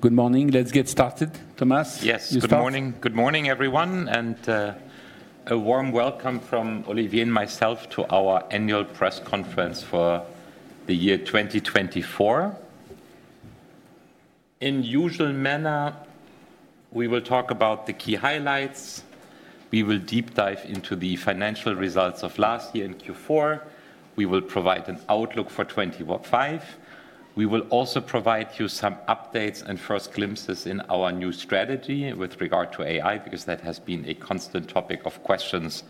Good morning. Let's get started, Thomas. Yes, good morning. Good morning, everyone. A warm welcome from Olivier and myself to our Annual Press Conference for the year 2024. In usual manner, we will talk about the key highlights. We will deep dive into the financial results of last year in Q4. We will provide an outlook for 2025. We will also provide you some updates, and first glimpses in our new strategy with regard to AI, because that has been a constant topic of questions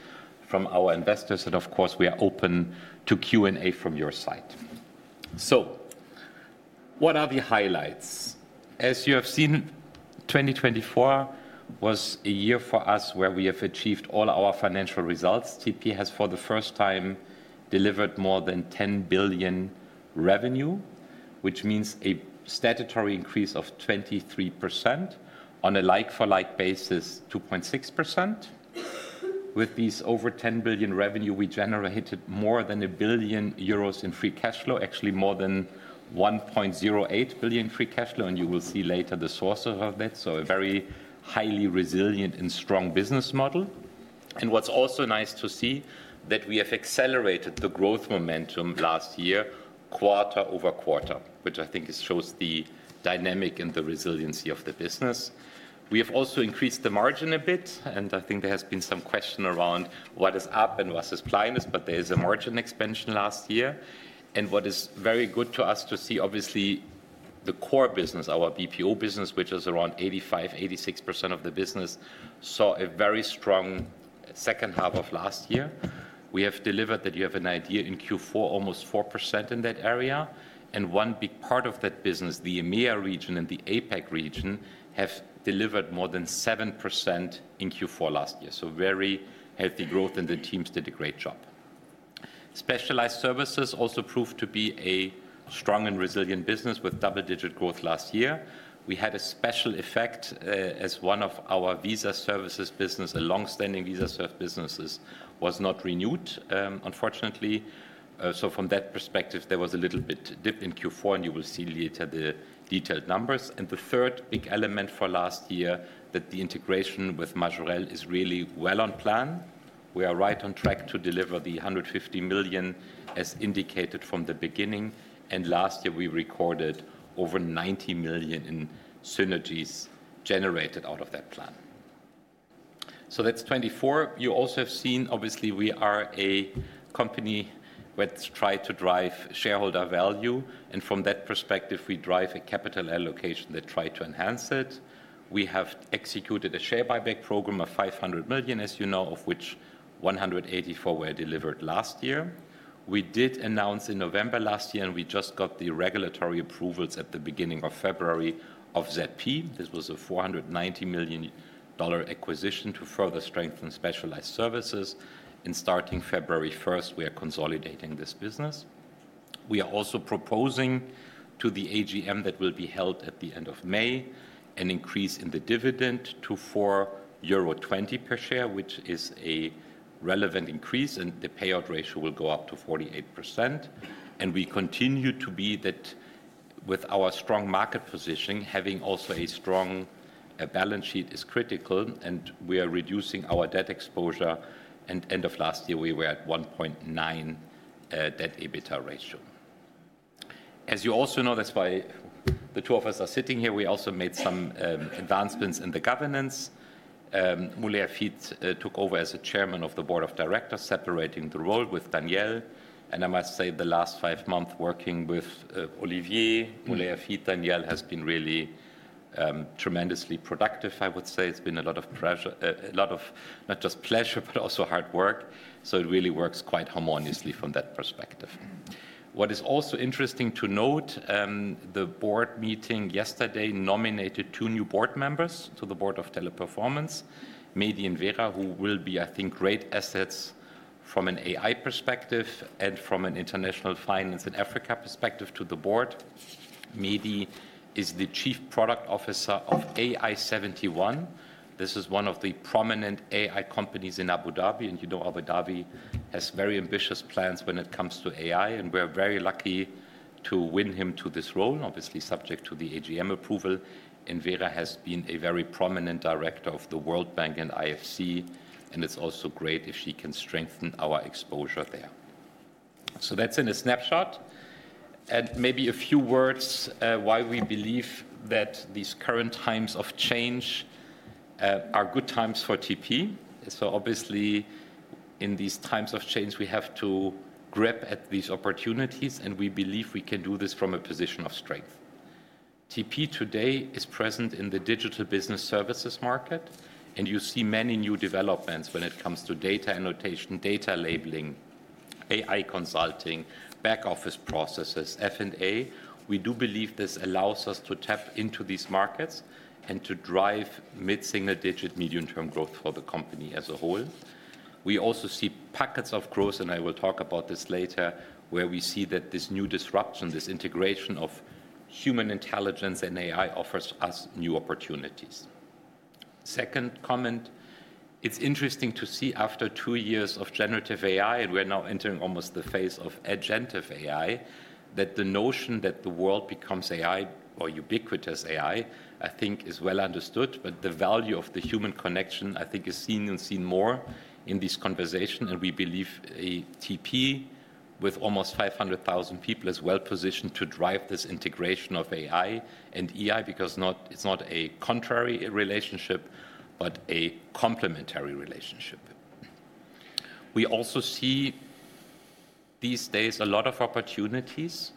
from our investors. Of course, we are open to Q&A from your side, so what are the highlights? As you have seen, 2024 was a year for us where we have achieved all our financial results. TP has for the first time delivered more than 10 billion revenue, which means a statutory increase of 23%, on a like-for-like basis, 2.6%. With these over 10 billion revenue, we generated more than 1 billion euros in free cash flow, actually more than 1.08 billion free cash flow. You will see later the source of that, so a very highly resilient and strong business model. What's also nice to see is that we have accelerated the growth momentum last year quarter-over-quarter, which I think shows the dynamic and the resiliency of the business. We have also increased the margin a bit, and I think there has been some question around what is up and what is supplying us? There is a margin expansion last year. What is very good to us to see, obviously the core business, our BPO business, which is around 85%-86% of the business, saw a very strong second half of last year. We have delivered [like-for-like] in Q4 almost 4% in that area. One big part of that business, the EMEA region and the APAC region, have delivered more than 7% in Q4 last year, so very healthy growth and the teams did a great job. Specialized services also proved to be a strong and resilient business with double-digit growth last year. We had a special effect as one of our visa services business, a long-standing visa service business was not renewed unfortunately. From that perspective, there was a little bit dip in Q4, and you will see later the detailed numbers. The third big element for last year is that the integration with Majorel is really well on plan. We are right on track to deliver the 150 million as indicated from the beginning. Last year, we recorded over 90 million in synergies generated out of that plan, so that's 2024. You also have seen, obviously we are a company that tried to drive shareholder value. From that perspective, we drive a capital allocation that tried to enhance it. We have executed a share buyback program of 500 million as you know, of which 184 million were delivered last year. We did announce in November last year, and we just got the regulatory approvals at the beginning of February for ZP. This was a $490 million acquisition to further strengthen specialized services. Starting February 1st, we are consolidating this business. We are also proposing to the AGM that will be held at the end of May, an increase in the dividend to 4.20 euro per share, which is a relevant increase and the payout ratio will go up to 48%. We continue to be that, with our strong market positioning. Having also a strong balance sheet is critical, and we are reducing our debt exposure. At the end of last year, we were at 1.9 debt-to-EBITDA ratio. As you also know, that's why the two of us are sitting here, we also made some advancements in the governance. Moulay Hafid took over as Chairman of the Board of Directors, separating the role with Daniel. I must say, the last five months working with Olivier, Moulay Hafid, Daniel has been really tremendously productive, I would say. It's been a lot of pleasure, a lot of not just pleasure, but also hard work. It really works quite harmoniously from that perspective. What is also interesting to note, the board meeting yesterday nominated two new board members to the Board of Teleperformance, Mehdi and Vera, who will be I think great assets from an AI perspective and from an international finance in Africa perspective to the board. Mehdi is the Chief Product Officer of AI71. This is one of the prominent AI companies in Abu Dhabi. Abu Dhabi has very ambitious plans when it comes to AI. We're very lucky to win him to this role, obviously subject to the AGM approval. Vera has been a very prominent director of the World Bank and IFC, and it's also great if she can strengthen our exposure there, so, that's in a snapshot. Maybe a few words why we believe that these current times of change are good times for TP. Obviously, in these times of change, we have to grip at these opportunities, and we believe we can do this from a position of strength. TP today is present in the digital business services market, and you see many new developments when it comes to data annotation, data labeling, AI consulting, back office processes, F&A. We do believe this allows us to tap into these markets, and to drive mid-single-digit medium-term growth for the company as a whole. We also see pockets of growth, and I will talk about this later, where we see that this new disruption, this integration of human intelligence and AI offers us new opportunities. Second comment, it's interesting to see after two years of generative AI, and we're now entering almost the phase of agentic AI, that the notion that the world becomes AI or ubiquitous AI, I think is well understood. The value of the human connection, I think is seen and seen more in this conversation. We believe TP, with almost 500,000 people is well positioned to drive this integration of AI and EI, because it's not a contrary relationship, but a complementary relationship. We also see these days a lot of opportunities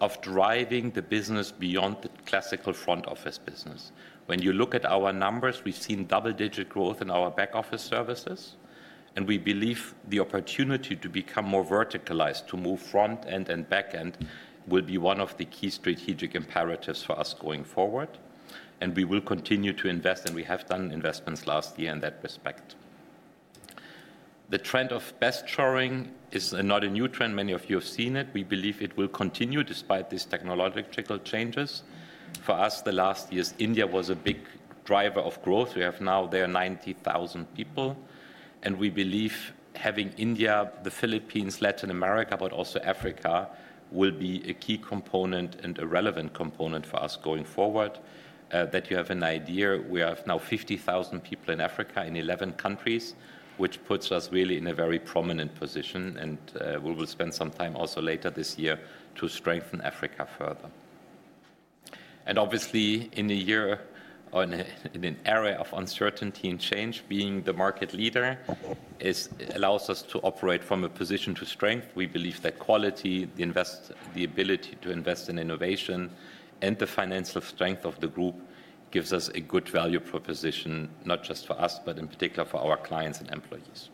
of driving the business beyond the classical front office business. When you look at our numbers, we've seen double-digit growth in our back office services. We believe the opportunity to become more verticalized, to move front-end and back-end, will be one of the key strategic imperatives for us going forward. We will continue to invest, and we have done investments last year in that respect. The trend of bestshoring is not a new trend. Many of you have seen it. We believe it will continue despite these technological changes. For us, last year's India was a big driver of growth. We have now there 90,000 people. We believe having India, the Philippines, Latin America, but also Africa will be a key component and a relevant component for us going forward. To give you an idea, we have now 50,000 people in Africa in 11 countries, which puts us really in a very prominent position. We will spend some time also later this year to strengthen Africa further. Obviously, in a year or in an era of uncertainty and change, being the market leader allows us to operate from a position of strength. We believe that quality, the ability to invest in innovation, and the financial strength of the group gives us a good value proposition, not just for us, but in particular for our clients and employees.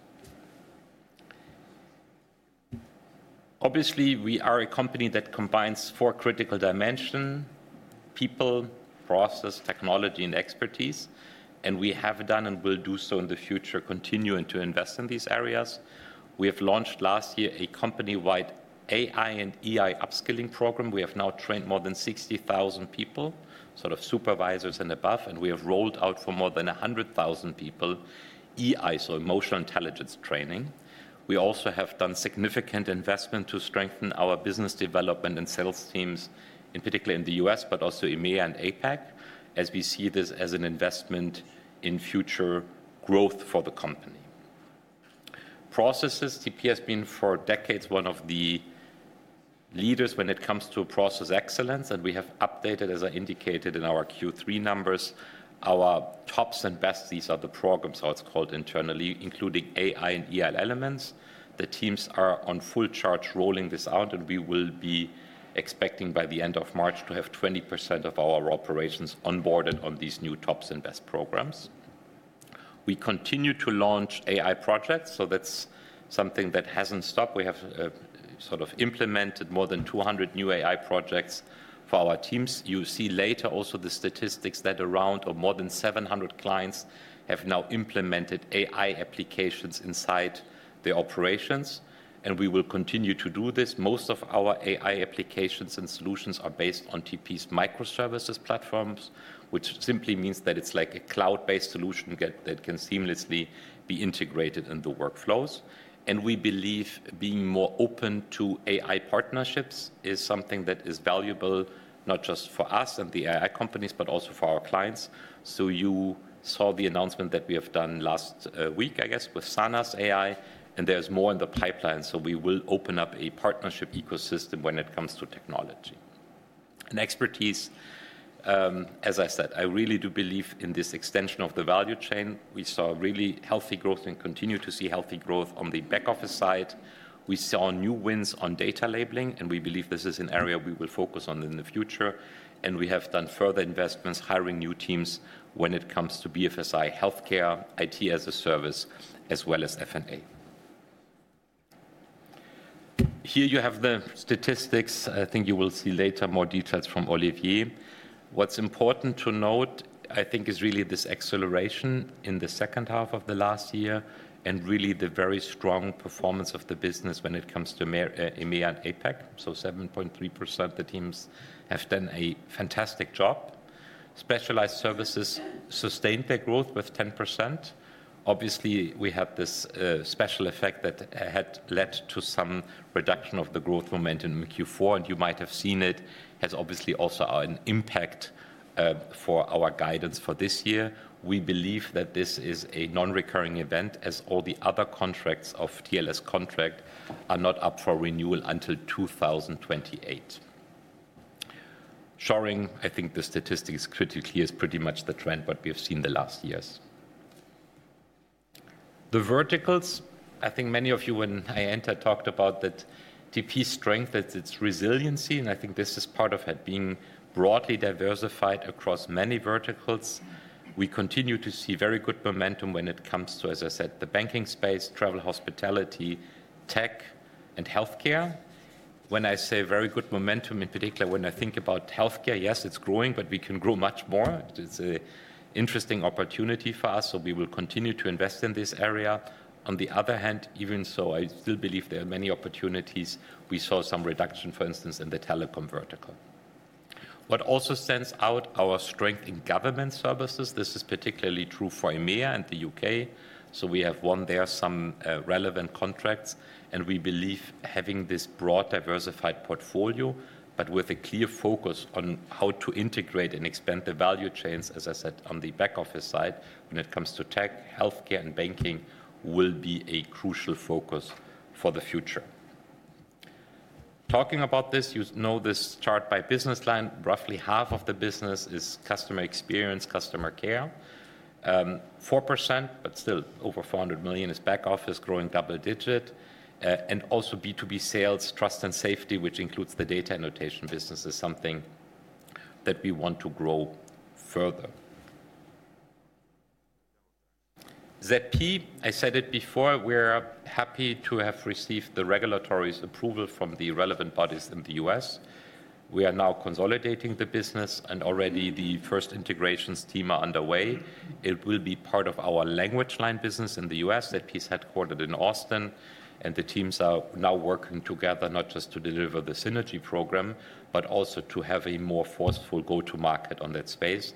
Obviously, we are a company that combines four critical dimensions, people, process, technology, and expertise. We have done and will do so in the future, continuing to invest in these areas. We have launched last year, a company-wide AI and EI upskilling program. We have now trained more than 60,000 people, supervisors and above. We have rolled out for more than 100,000 people, EI, so emotional intelligence training. We also have done significant investment to strengthen our business development and sales teams, in particular in the US, but also EMEA and APAC, as we see this as an investment in future growth for the company. Processes, TP has been for decades one of the leaders when it comes to process excellence. We have updated, as I indicated in our Q3 numbers, our TOPS and BEST program], so it's called internally, including AI and EI elements. The teams are on full charge rolling this out, and we will be expecting by the end of March to have 20% of our operations onboarded on these new TOPS and BEST programs. We continue to launch AI projects, so that's something that hasn't stopped. We have implemented more than 200 new AI projects for our teams. You'll see later also the statistics that are around or more than 700 clients have now implemented AI applications inside their operations. We will continue to do this. Most of our AI applications and solutions are based on TP's microservices platforms, which simply means that it's like a cloud-based solution that can seamlessly be integrated into workflows. We believe being more open to AI partnerships is something that is valuable not just for us and the AI companies, but also for our clients. You saw the announcement that we have done last week with Sanas AI, and there's more in the pipeline. We will open up a partnership ecosystem when it comes to technology. Expertise, as I said, I really do believe in this extension of the value chain. We saw really healthy growth and continue to see healthy growth on the back office side. We saw new wins on data labeling, and we believe this is an area we will focus on in the future. We have done further investments, hiring new teams when it comes to BFSI, healthcare, IT as a service, as well as F&A. Here you have the statistics. I think you will see later more details from Olivier. What's important to note, I think is really this acceleration in the second half of the last year, and really the very strong performance of the business when it comes to EMEA and APAC. 7.3% of the teams have done a fantastic job. Specialized services sustained their growth with 10%. Obviously, we had this special effect that had led to some reduction of the growth momentum in Q4, and you might have seen it has obviously also an impact for our guidance for this year. We believe that this is a non-recurring event, as all the other contracts of TLScontact are not up for renewal until 2028. Shoring, I think the statistics critically is pretty much the trend what we have seen the last years. The verticals, I think many of you, when I entered, talked about that TP strength, that's its resiliency and I think this is part of it being broadly diversified across many verticals. We continue to see very good momentum when it comes to, as I said, the banking space, travel, hospitality, tech, and healthcare. When I say very good momentum, in particular when I think about healthcare, yes, it's growing, but we can grow much more. It's an interesting opportunity for us, so we will continue to invest in this area. On the other hand, even so, I still believe there are many opportunities. We saw some reduction, for instance, in the telecom vertical. What also stands out is our strength in government services. This is particularly true for EMEA and the U.K., so we ha, ve won there some relevant contracts. We believe having this broad diversified portfolio, but with a clear focus on how to integrate and expand the value chains, as I said, on the back office side, when it comes to tech, healthcare, and banking will be a crucial focus for the future. Talking about this, you know this chart by business line, roughly half of the business is customer experience, customer care 4%, but still over 400 million is back office growing double-digit. Also, B2B sales, Trust & Safety, which includes the data annotation business is something that we want to grow further. ZP, I said it before, we're happy to have received the regulatory approval from the relevant bodies in the U.S. We are now consolidating the business, and already the first integration teams are underway. It will be part of our LanguageLine business in the U.S. ZP is headquartered in Austin, and the teams are now working together not just to deliver the synergy program, but also to have a more forceful go-to-market on that space.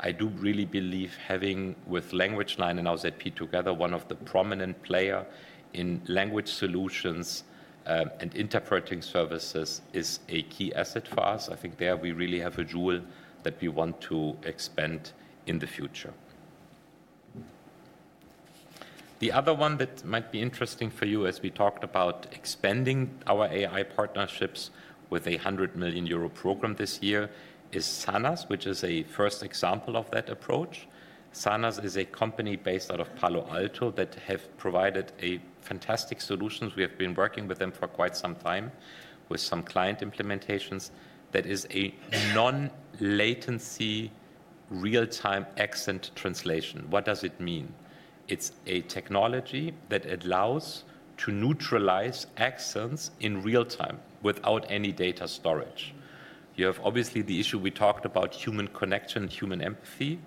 I do really believe having with LanguageLine and our ZP together, one of the prominent players in language solutions and interpreting services is a key asset for us. I think there, we really have a jewel that we want to expand in the future. The other one that might be interesting for you, as we talked about, expanding our AI partnerships with a 100 million euro program this year is Sanas, which is a first example of that approach. Sanas is a company based out of Palo Alto, that has provided fantastic solutions. We have been working with them for quite some time with some client implementations. That is a non-latency real-time accent translation. What does it mean? It's a technology that allows to neutralize accents in real time, without any data storage. You have obviously the issue we talked about, human connection and human empathy.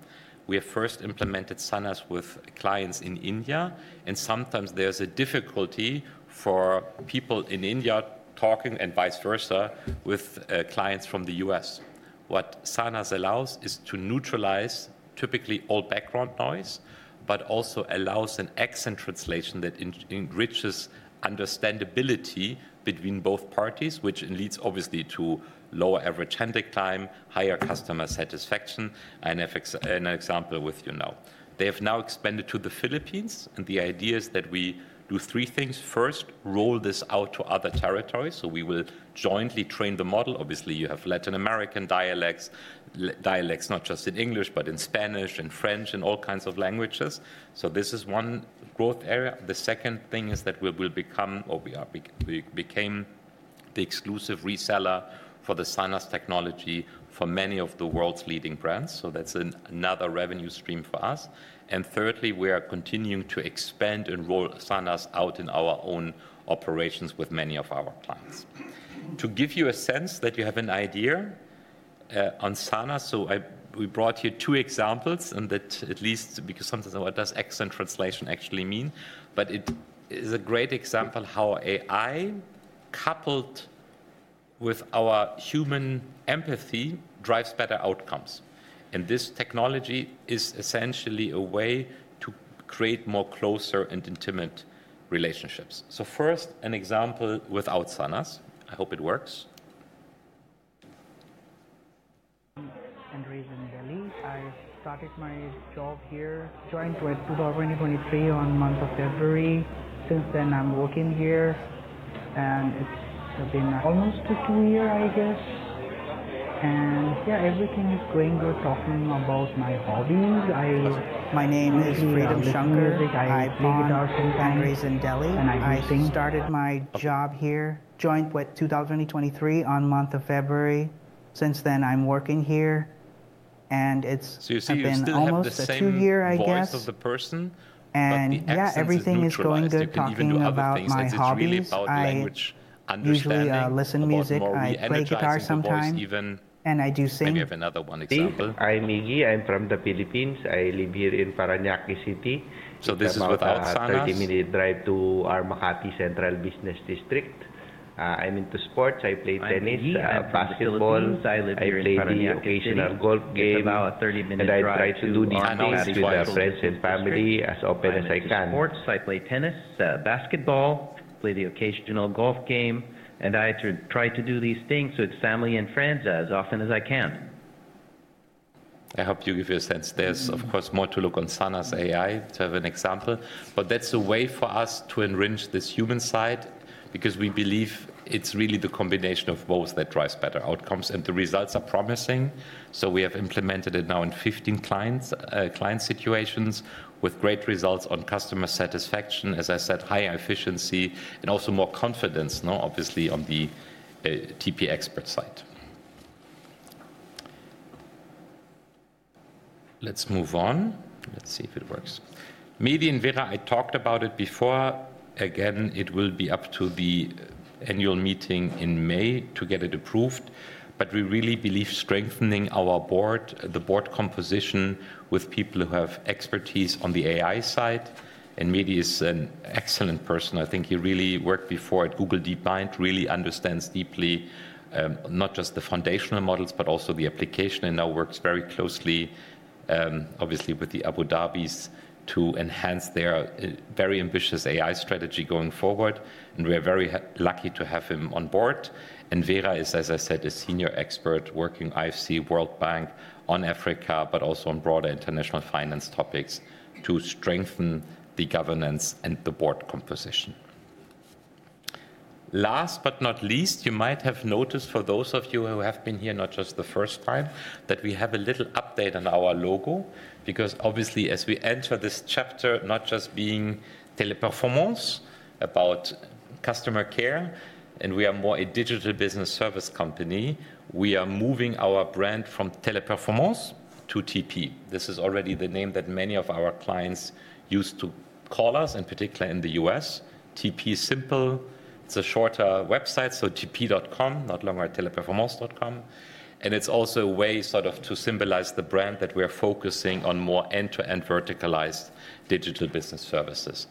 We have first implemented Sanas with clients in India, and sometimes there's a difficulty for people in India talking and vice versa with clients from the U.S. What Sanas allows is to neutralize typically all background noise, but also allows an accent translation that enriches understandability between both parties, which leads obviously to lower average handling time, higher customer satisfaction. An example with you now. They have now expanded to the Philippines, and the idea is that we do three things. First, roll this out to other territories. We will jointly train the model. Obviously, you have Latin American dialects, dialects not just in English, but in Spanish, in French, in all kinds of languages. This is one growth area. The second thing is that we will become, or we became the exclusive reseller for the Sanas technology for many of the world's leading brands. That's another revenue stream for us. Thirdly, we are continuing to expand and roll Sanas out in our own operations with many of our clients. To give you a sense that you have an idea on Sanas, so we brought you two examples. At least because sometimes, what does accent translation actually mean? It is a great example how AI, coupled with our human empathy drives better outcomes. This technology is essentially a way to create more closer and intimate relationships. First, an example without Sanas. I hope it works. I'm. I started my job here, joined with 2023 on the month of February. Since then I'm working here, and it's been almost two years, I guess. Yeah, everything is going good. Talking about my hobbies. My name is [Freedom Shanker]. I, I started my job here, joined with 2023 on the month of February. Since then I'm working here, and it's been almost two years, I guess. Yeah, everything is going good. Talking about my hobbies, I listen to music, I play guitar sometimes, and I do sing. I'm Miguel. I'm from the Philippines. I live here in Parañaque City. This is without Sanas. It's a 30-minute drive to our Makati Central Business District. I'm into sports. I play tennis, basketball. I play the occasional golf game. I try to do these things with friends and family as often as I can. sports. I play tennis, basketball, play the occasional golf game. I try to do these things with family and friends as often as I can. I hope this gives you a sense. There's of course more to look on Sanas AI to have an example, but that's a way for us to enrich this human side because we believe it's really the combination of both that drives better outcomes, and the results are promising. We have implemented it now in 15 client situations, with great results on customer satisfaction, as I said, high efficiency and also more confidence now obviously on the TP expert side. Let's move on. Let's see if it works. Meeting Vera, I talked about it before. Again, it will be up to the annual meeting in May to get it approved, but we really believe in strengthening our board, the board composition with people who have expertise on the AI side. Mehdi is an excellent person. I think he really worked before at Google DeepMind. Really understands deeply not just the foundational models, but also the application and now works very closely obviously with the Abu Dhabi to enhance their very ambitious AI strategy going forward. We are very lucky to have him on board. Vera is, as I said, a senior expert working in IFC, World Bank, on Africa, but also on broader international finance topics to strengthen the governance and the board composition. Last but not least, you might have noticed for those of you who have been here not just the first time, that we have a little update on our logo because obviously, as we enter this chapter, not just being Teleperformance about customer care, and we are more a digital business service company, we are moving our brand from Teleperformance to TP. This is already the name that many of our clients used to call us, in particular in the U.S. TP, simple, it's a shorter website, so tp.com, not longer teleperformance.com. It's also a way to symbolize the brand, that we are focusing on more end-to-end verticalized digital business services.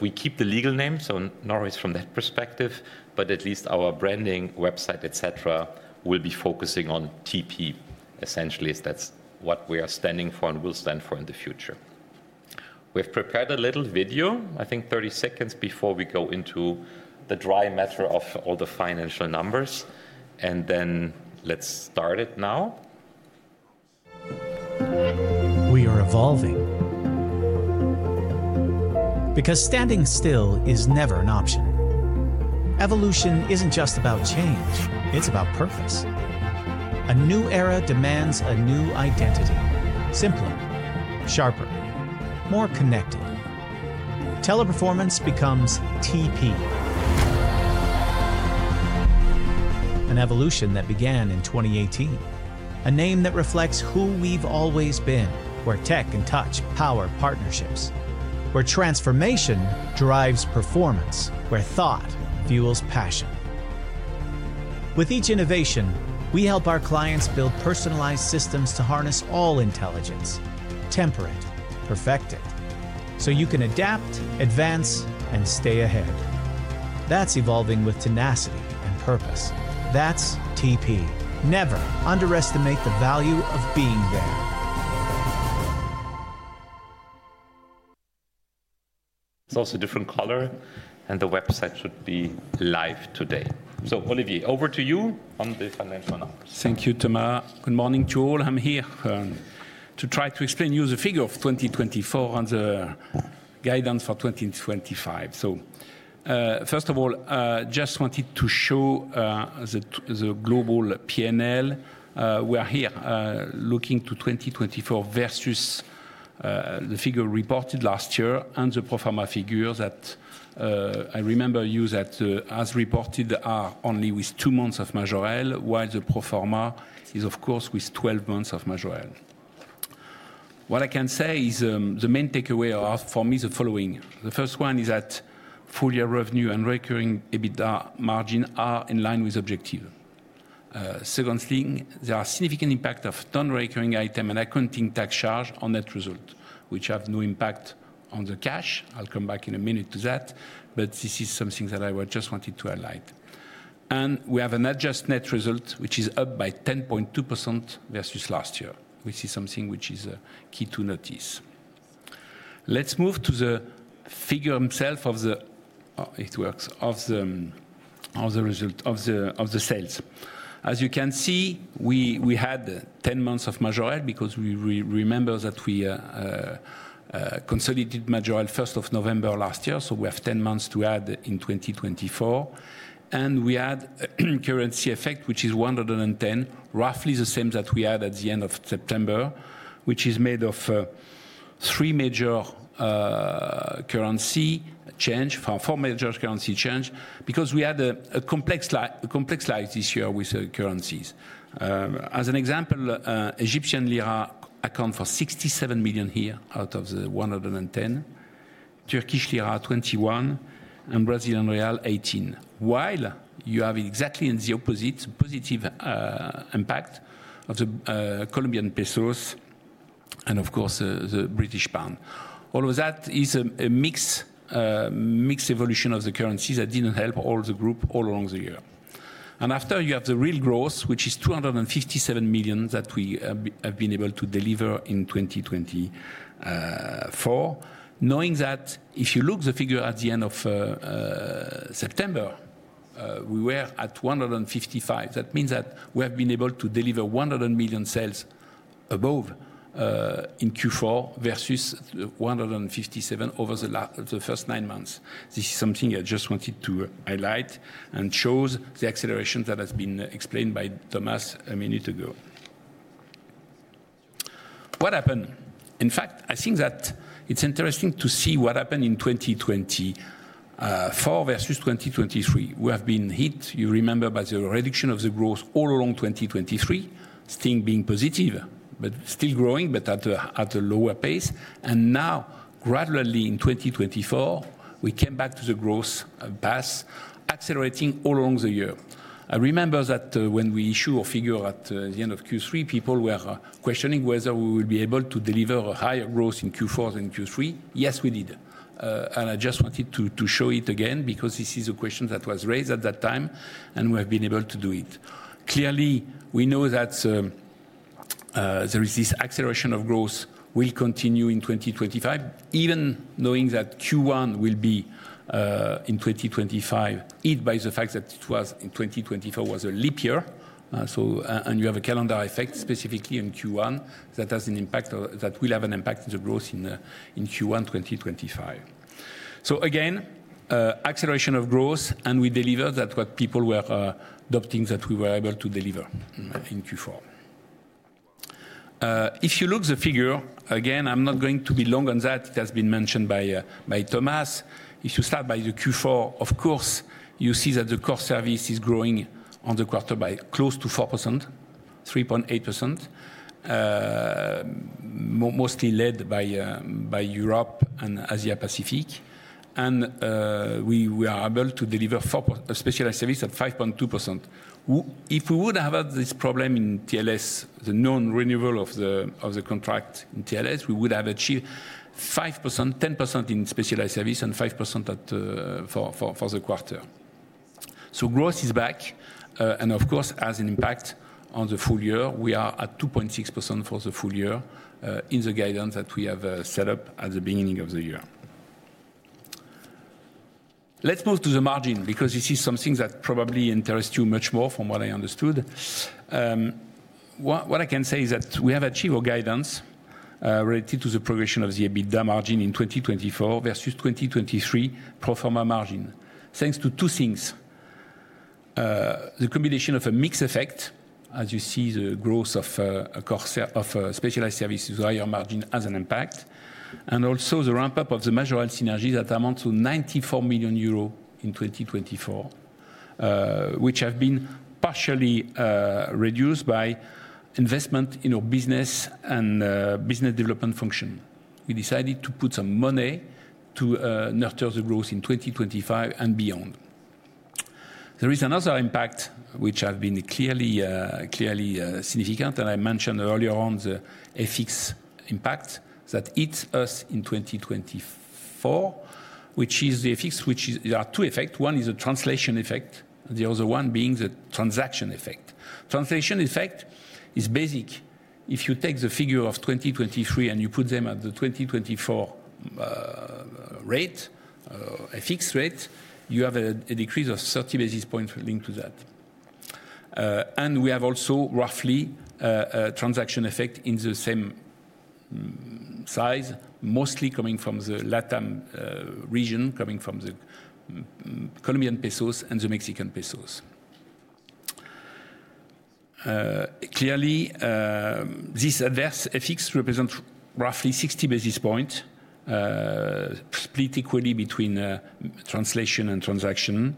We keep the legal name, so no worries from that perspective, but at least our branding, website, etc., will be focusing on TP essentially, as that's what we are standing for and will stand for in the future. We have prepared a little video, I think 30 seconds before we go into the dry matter of all the financial numbers, and then let's start it now. We are evolving because standing still is never an option. Evolution isn't just about change, it's about purpose. A new era demands a new identity, simpler, sharper, more connected. Teleperformance becomes TP, an evolution that began in 2018, a name that reflects who we've always been, where tech can touch power partnerships, where transformation drives performance, where thought fuels passion. With each innovation, we help our clients build personalized systems to harness all intelligence, temper it, perfect it, so you can adapt, advance, and stay ahead. That's evolving with tenacity and purpose. That's TP. Never underestimate the value of being there. It's also a different color, and the website should be live today. Olivier, over to you on the financial numbers. Thank you, Thomas. Good morning to all. I'm here to try to explain to you the figures for 2024 and the guidance for 2025. First of all, just wanted to show the global P&L. We are here looking to 2024 versus the figure reported last year, and the pro forma figures that I remind you that as reported, are only with two months of Majorel, while the pro forma is of course with 12 months of Majorel. What I can say is the main takeaway for me is the following. The first one is that full-year revenue and recurring EBITDA margin are in line with objective. Second thing, there are significant impacts of non-recurring item and accounting tax charge on net result, which have no impact on the cash. I'll come back in a minute to that, but this is something that I just wanted to highlight. We have an adjusted net result, which is up by 10.2% versus last year, which is something which is key to notice. Let's move to the figures themselves,, of the results of the sales. As you can see, we had 10 months of Majorel because remember that we consolidated Majorel first of November last year. We have 10 months to add in 2024. We had currency effect, which is 110 million, roughly the same that we had at the end of September, which is made of four major currency changes because we had a complex year this year with currencies. As an example, Egyptian Lira account for 67 million here out of the €110 million, Turkish Lira 21 million, and Brazilian Real 18 million, while you have exactly the opposite positive impact of the Colombian Pesos and of course the British Pound. All of that is a mixed evolution of the currencies that didn't help all the group all along the year. After you have the real growth, which is 257 million that we have been able to deliver in 2024, knowing that if you look at the figure at the end of September, we were at 155. That means that we have been able to deliver 100 million sales above in Q4 versus 157 over the first nine months. This is something I just wanted to highlight, and shows the acceleration that has been explained by Thomas a minute ago. What happened? In fact, I think that it's interesting to see what happened in 2024 versus 2023. We have been hit, you remember, by the reduction of the growth all along 2023, still being positive, but still growing, but at a lower pace. Now, gradually in 2024, we came back to the growth path, accelerating all along the year. I remember that when we issued a figure at the end of Q3, people were questioning whether we would be able to deliver a higher growth in Q4 than Q3. Yes, we did. I just wanted to show it again because this is a question that was raised at that time, and we have been able to do it. Clearly, we know that this acceleration of growth will continue in 2025, even knowing that Q1 will be in 2025, eaten by the fact that 2024 was a leap year. You have a calendar effect specifically in Q1 that has an impact, that will have an impact on the growth in Q1 2025. Again, acceleration of growth, and we delivered what people were adopting that we were able to deliver in Q4. If you look at the figure, again I'm not going to be long on that. It has been mentioned by Thomas. If you start by the Q4, of course you see that the core service is growing on the quarter by close to 4%, 3.8%, mostly led by Europe and Asia Pacific. We are able to deliver for specialized service at 5.2%. If we would have had this problem in TLS, the known renewal of the contract in TLS, we would have achieved 5%, 10% in specialized service and 5% for the quarter. Growth is back, and of course has an impact on the full year. We are at 2.6% for the full year in the guidance that we have set up at the beginning of the year. Let's move to the margin, because this is something that probably interests you much more from what I understood. What I can say is that we have achieved a guidance related to the progression of the EBITDA margin in 2024 versus 2023 pro forma margin, thanks to two things. The combination of a mix effect, as you see the growth of specialized service with higher margin has an impact, and also the ramp-up of the Majorel synergies that amount to 94 million euros in 2024, which have been partially reduced by investment in our business and business development function. We decided to put some money to nurture the growth in 2025 and beyond. There is another impact which has been clearly significant, and I mentioned earlier on the FX impact that hits us in 2024, which is a fix, which there are two effects. One is the translation effect, the other one being the transaction effect. Translation effect is basic. If you take the figure of 2023 and you put them at the 2024 rate, FX rate, you have a decrease of 30 basis points linked to that. We have also roughly a transaction effect in the same size, mostly coming from the LATAM region, coming from the Colombian Pesos and the Mexican Pesos. Clearly, this adverse FX represents roughly 60 basis points, split equally between translation and transaction,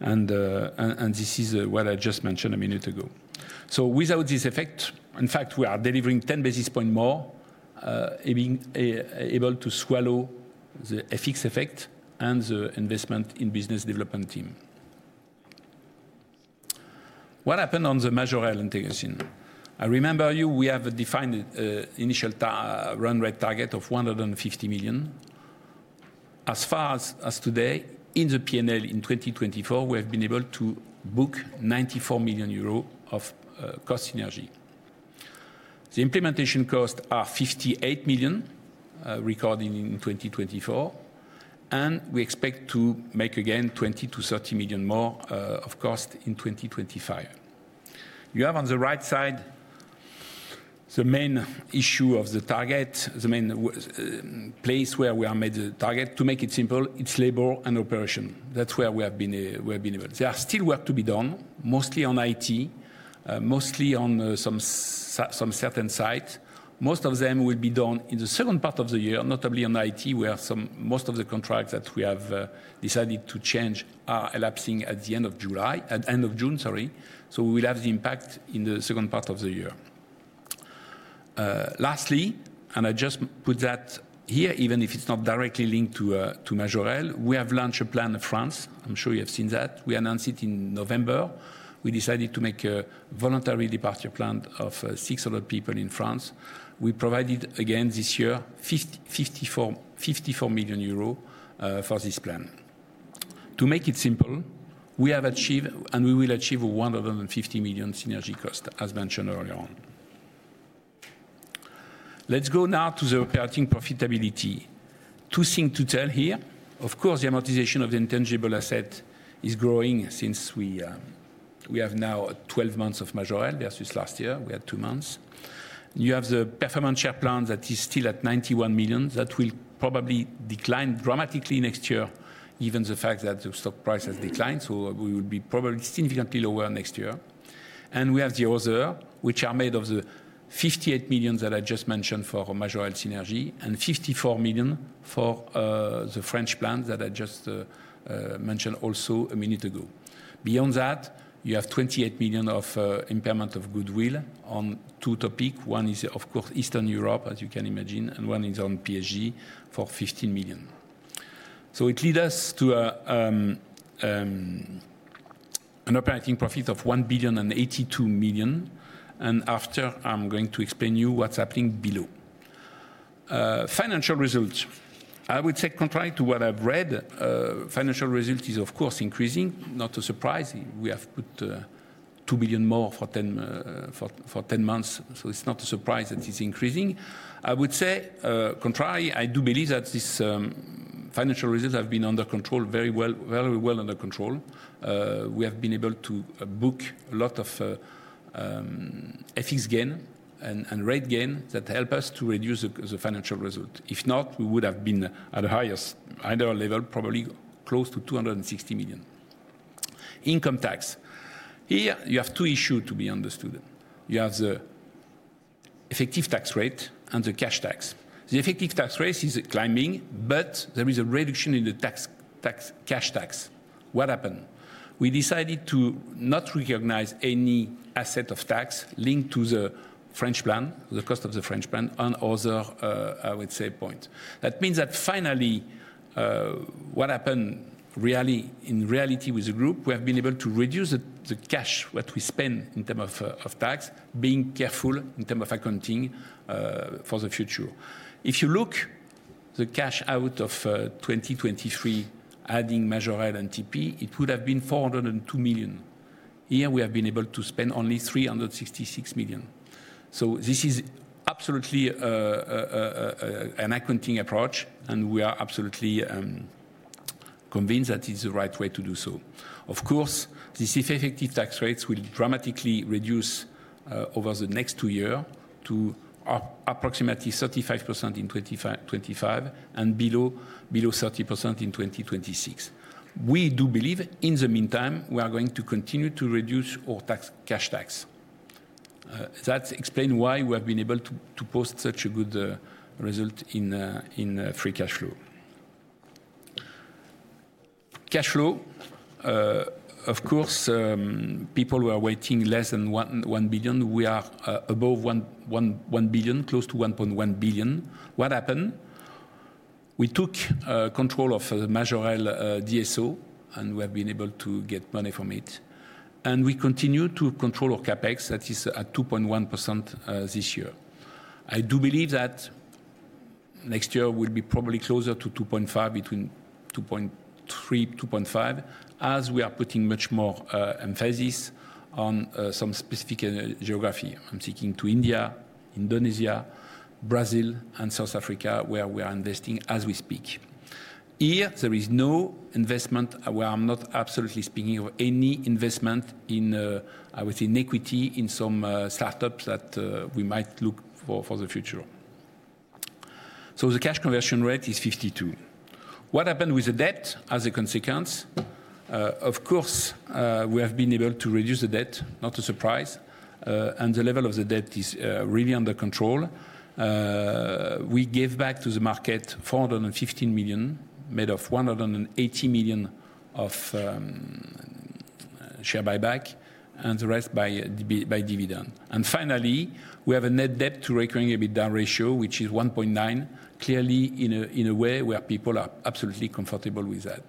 and this is what I just mentioned a minute ago. Without this effect, in fact, we are delivering 10 basis points more, able to swallow the FX effect and the investment in business development team. What happened on the Majorel integration? I remember we have defined an initial run rate target of 150 million. As far as today, in the P&L in 2024, we have been able to book 94 million euros of cost synergy. The implementation costs are 58 million, recorded in 2024, and we expect to make again 20 million-30 million more of cost in 2025. You have on the right side, the main issue of the target, the main place where we have made the target. To make it simple, it's labor and operation. That's where we have been able. There is still work to be done, mostly on IT, mostly on some certain sites. Most of them will be done in the second part of the year, notably on IT ,most of the contracts that we have decided to change are elapsing at the end of June. We will have the impact in the second part of the year. Lastly, and I just put that here, even if it's not directly linked to Majorel, we have launched a plan in France. I'm sure you have seen that. We announced it in November. We decided to make a voluntary departure plan of 600 people in France. We provided, again this year, 54 million euros for this plan. To make it simple, we have achieved and we will achieve 150 million synergy cost, as mentioned earlier on. Let's go now to the operating profitability. Two things to tell here. Of course, the amortization of the intangible asset is growing since we have now 12 months of Majorel versus last year. We had two months. You have the performance share plan that is still at 91 million that will probably decline dramatically next year, given the fact that the stock price has declined. We will be probably significantly lower next year. We have the other, which are made of the 58 million that I just mentioned for Majorel synergy, and 54 million for the French plan that I just mentioned also a minute ago. Beyond that, you have 28 million of impairment of goodwill on two topics. One is of course Eastern Europe, as you can imagine, and one is on PSG for 15 million. It leads us to an operating profit of 1 billion and 82 million. After, I'm going to explain to you what's happening below. Financial charges, I would say contrary to what I've read, financial [audio distortio] is of course increasing. Not a surprise. We have put 2 billion more for 10 months, so it's not a surprise that it's increasing. I would say, contrary, I do believe that these financial charges have been very well under control. We have been able to book a lot of FX gain and rate gain, that help us to reduce the financial result. If not, we would have been at a higher level, probably close to 260 million. Income tax, here, you have two issues to be understood. You have the effective tax rate and the cash tax. The effective tax rate is climbing, but there is a reduction in the cash tax. What happened? We decided to not recognize any asset of tax linked to the cost of the French plan, on other, I would say, points. That means that finally, what happened in reality with the group, we have been able to reduce the cash that we spend in terms of tax, being careful in terms of accounting for the future. If you look at the cash out of 2023, adding Majorel and TP, it would have been 402 million. Here, we have been able to spend only 366 million. This is absolutely an accounting approach, and we are absolutely convinced that it's the right way to do so. Of course, these effective tax rates will dramatically reduce over the next two years to approximately 35% in 2025, and below 30% in 2026. We do believe in the meantime, we are going to continue to reduce our cash tax. That explains why we have been able to post such a good result in free cash flow. Cash flow, of course people who are waiting less than 1 billion, we are above 1 billion, close to 1.1 billion. What happened? We took control of the Majorel DSO, and we have been able to get money from it. We continue to control our CapEx that is at 2.1% this year. I do believe that next year we'll be probably closer to 2.5%, between 2.3%-2.5%, as we are putting much more emphasis on some specific geography. I'm thinking to India, Indonesia, Brazil, and South Africa, where we are investing as we speak. Here, there is no investment, where I'm not absolutely speaking of any investment in, I would say, equity in some startups that we might look for, for the future. The cash conversion rate is 52%. What happened with the debt as a consequence? Of course, we have been able to reduce the debt, not a surprise. The level of the debt is really under control. We gave back to the market 415 million, made of 180 million of share buyback and the rest by dividend. Finally, we have a net debt to recurring EBITDA ratio, which is 1.9, clearly in a way where people are absolutely comfortable with that.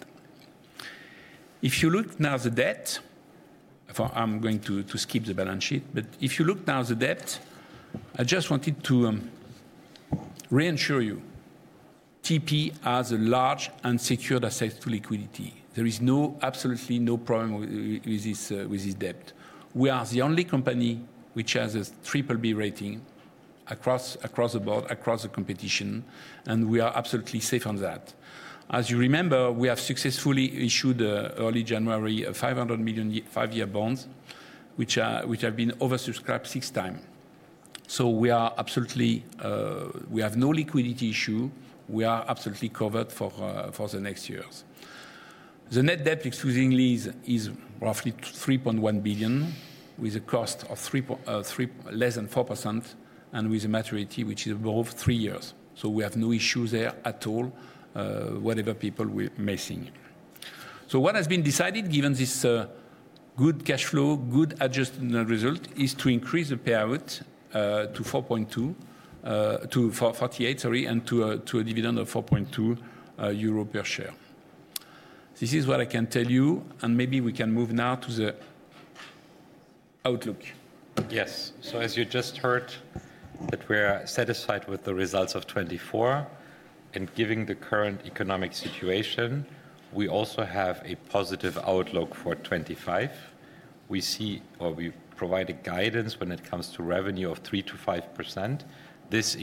I'm going to skip the balance sheet, but if you look now at the debt, I just wanted to reassure you, TP has a large unsecured asset to liquidity. There is absolutely no problem with this debt. We are the only company which has a BBB rating across the board, across the competition and we are absolutely safe on that. As you remember, we have successfully issued early January, 500 million five-year bonds, which have been oversubscribed 6x, so we have no liquidity issue. We are absolutely covered for the next years. The net debt exclusively is roughly 3.1 billion, with a cost of less than 4% and with a maturity which is above three years. We have no issues there at all, whatever people were missing. What has been decided, given this good cash flow, good adjusted result, is to increase the payout to 4.8 and to a dividend of 4.2 euro per share. This is what I can tell you, and maybe we can move now to the outlook. Yes. As you just heard, that we are satisfied with the results of 2024. Given the current economic situation, we also have a positive outlook for 2025. We see, or we provide guidance when it comes to revenue of 3%-5%. This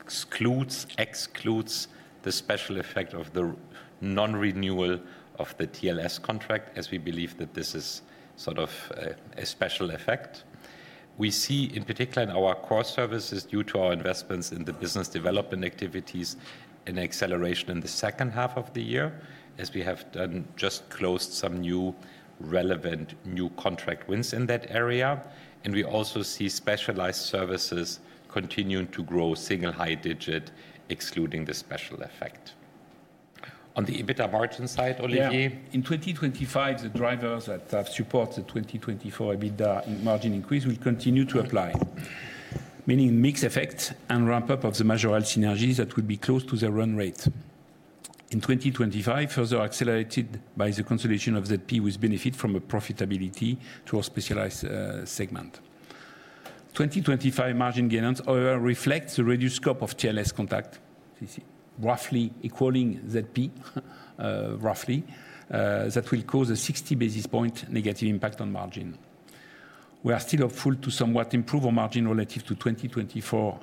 excludes the special effect of the non-renewal of the TLS contract, as we believe that this is a special effect. We see, in particular, in our Core Services, due to our investments in the business development activities, an acceleration in the second half of the year, as we have just closed some relevant new contract wins in that area. We also see specialized services continuing to grow single high digit, excluding the special effect. On the EBITDA margin side, Olivier? Yeah. In 2025, the drivers that support the 2024 EBITDA margin increase will continue to apply, meaning mix effect and ramp-up of the Majorel synergies that will be close to the run rate. In 2025, further accelerated by the consolidation of ZP, with benefit from a profitability to our specialized services segment. 2025 margin gains, however reflect the reduced scope of TLScontact, roughly equaling ZP roughly, that will cause a 60 basis point negative impact on margin. We are still hopeful to somewhat improve our margin relative to 2024,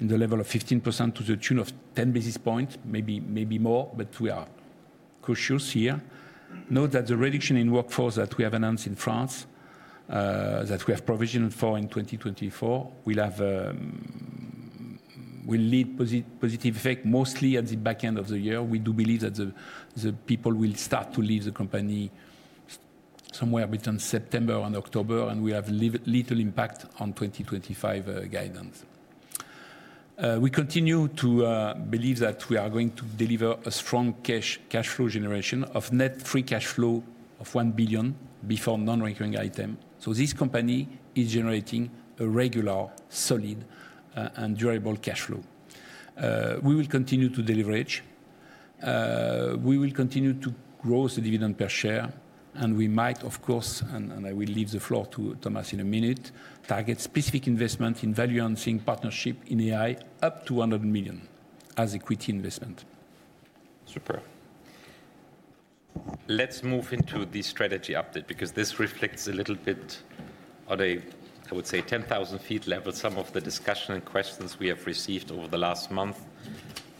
in the level of 15% to the tune of 10 basis points, maybe more, but we are cautious here. Note that the reduction in workforce that we have announced in France, that we have provisioned for in 2024, will lead to a positive effect mostly at the back end of the year. We do believe that the people will start to leave the company somewhere between September and October, and we have little impact on 2025 guidance. We continue to believe that we are going to deliver a strong cash flow generation of net free cash flow of 1 billion before non-recurring item. This company is generating a regular, solid, and durable cash flow. We will continue to deleverage. We will continue to grow the dividend per share, and we might of course, and I will leave the floor to Thomas in a minute, target specific investment in value-enhancing partnership in AI up to 100 million as equity investment. Super. Let's move into the strategy update, because this reflects a little bit at a, I would say, 10,000 ft level, some of the discussion and questions we have received over the last month.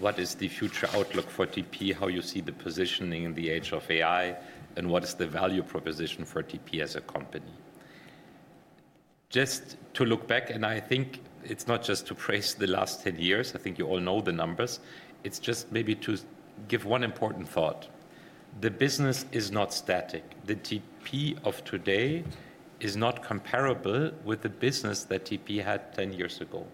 What is the future outlook for TP? How do you see the positioning in the age of AI, and what is the value proposition for TP as a company? Just to look back, and I think it's not just to praise the last 10 years, I think you all know the numbers, it's just maybe to give one important thought. The business is not static. The TP of today is not comparable with the business that TP had 10 years ago.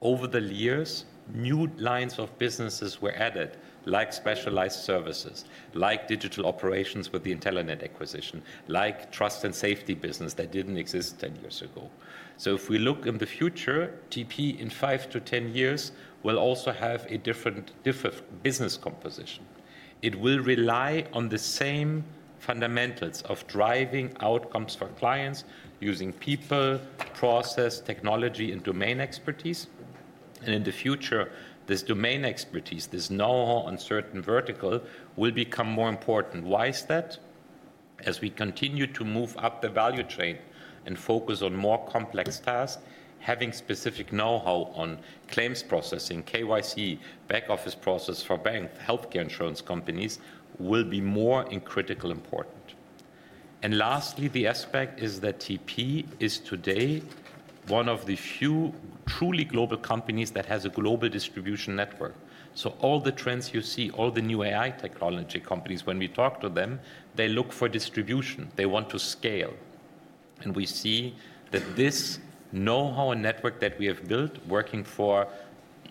Over the years, new lines of businesses were added, like specialized services, like digital operations with the Intelenet acquisition, like Trust & Safety business that didn't exist 10 years ago. If we look in the future, TP in five to 10 years will also have a different business composition. It will rely on the same fundamentals of driving outcomes for clients using people, process, technology, and domain expertise. In the future, this domain expertise, this know-how on certain verticals will become more important. Why is that? As we continue to move up the value chain and focus on more complex tasks, having specific know-how on claims processing, KYC, back office process for banks, healthcare insurance companies will be more critically important. Lastly, the aspect is that TP is today one of the few truly global companies that has a global distribution network. All the trends you see, all the new AI technology companies, when we talk to them, they look for distribution. They want to scale. We see that this know-how and network that we have built, working for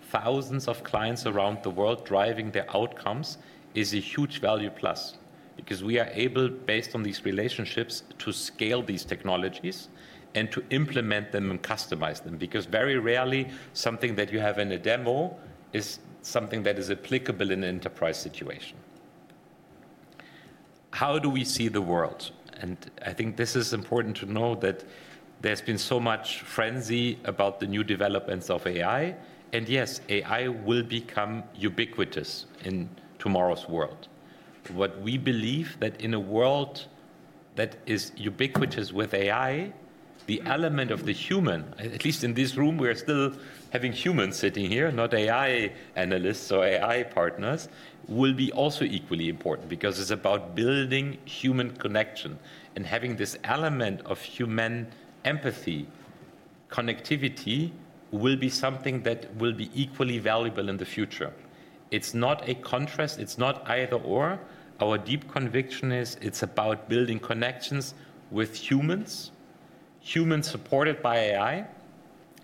thousands of clients around the world, driving their outcomes, is a huge value plus because we are able, based on these relationships, to scale these technologies and to implement them and customize them because very rarely something that you have in a demo, is something that is applicable in an enterprise situation. How do we see the world? I think this is important to know, that there's been so much frenzy about the new developments of AI. Yes, AI will become ubiquitous in tomorrow's world. What we believe, that in a world that is ubiquitous with AI, the element of the human, at least in this room, we are still having humans sitting here, not AI analysts or AI partners, will be also equally important because it's about building human connection and having this element of human empathy, connectivity will be something that will be equally valuable in the future. It's not a contrast. It's not either/or. Our deep conviction is, it's about building connections with humans, humans supported by AI.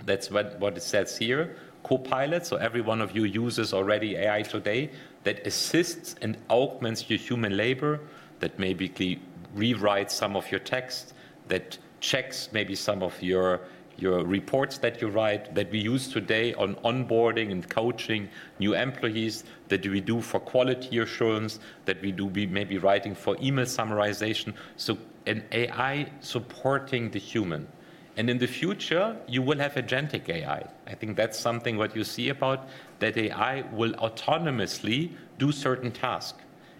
That's what it says here. Copilot, so every one of you uses already AI today, that assists and augments your human labor, that maybe rewrites some of your text, that checks maybe some of your reports that you write, that we use today on onboarding and coaching new employees, that we do for quality assurance, that we do maybe writing, for email summarization. An AI supporting the human. In the future, you will have agentic AI. I think that's what you see about, that AI will autonomously do certain tasks.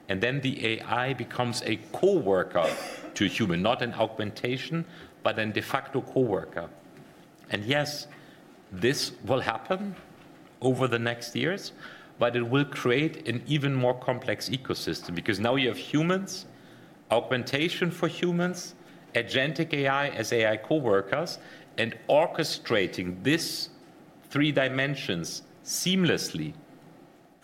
The AI becomes a coworker to human, not an augmentation, but a de facto coworker. Yes, this will happen over the next years, but it will create an even more complex ecosystem because now you have humans, augmentation for humans, agentic AI as AI coworkers. Orchestrating these three dimensions seamlessly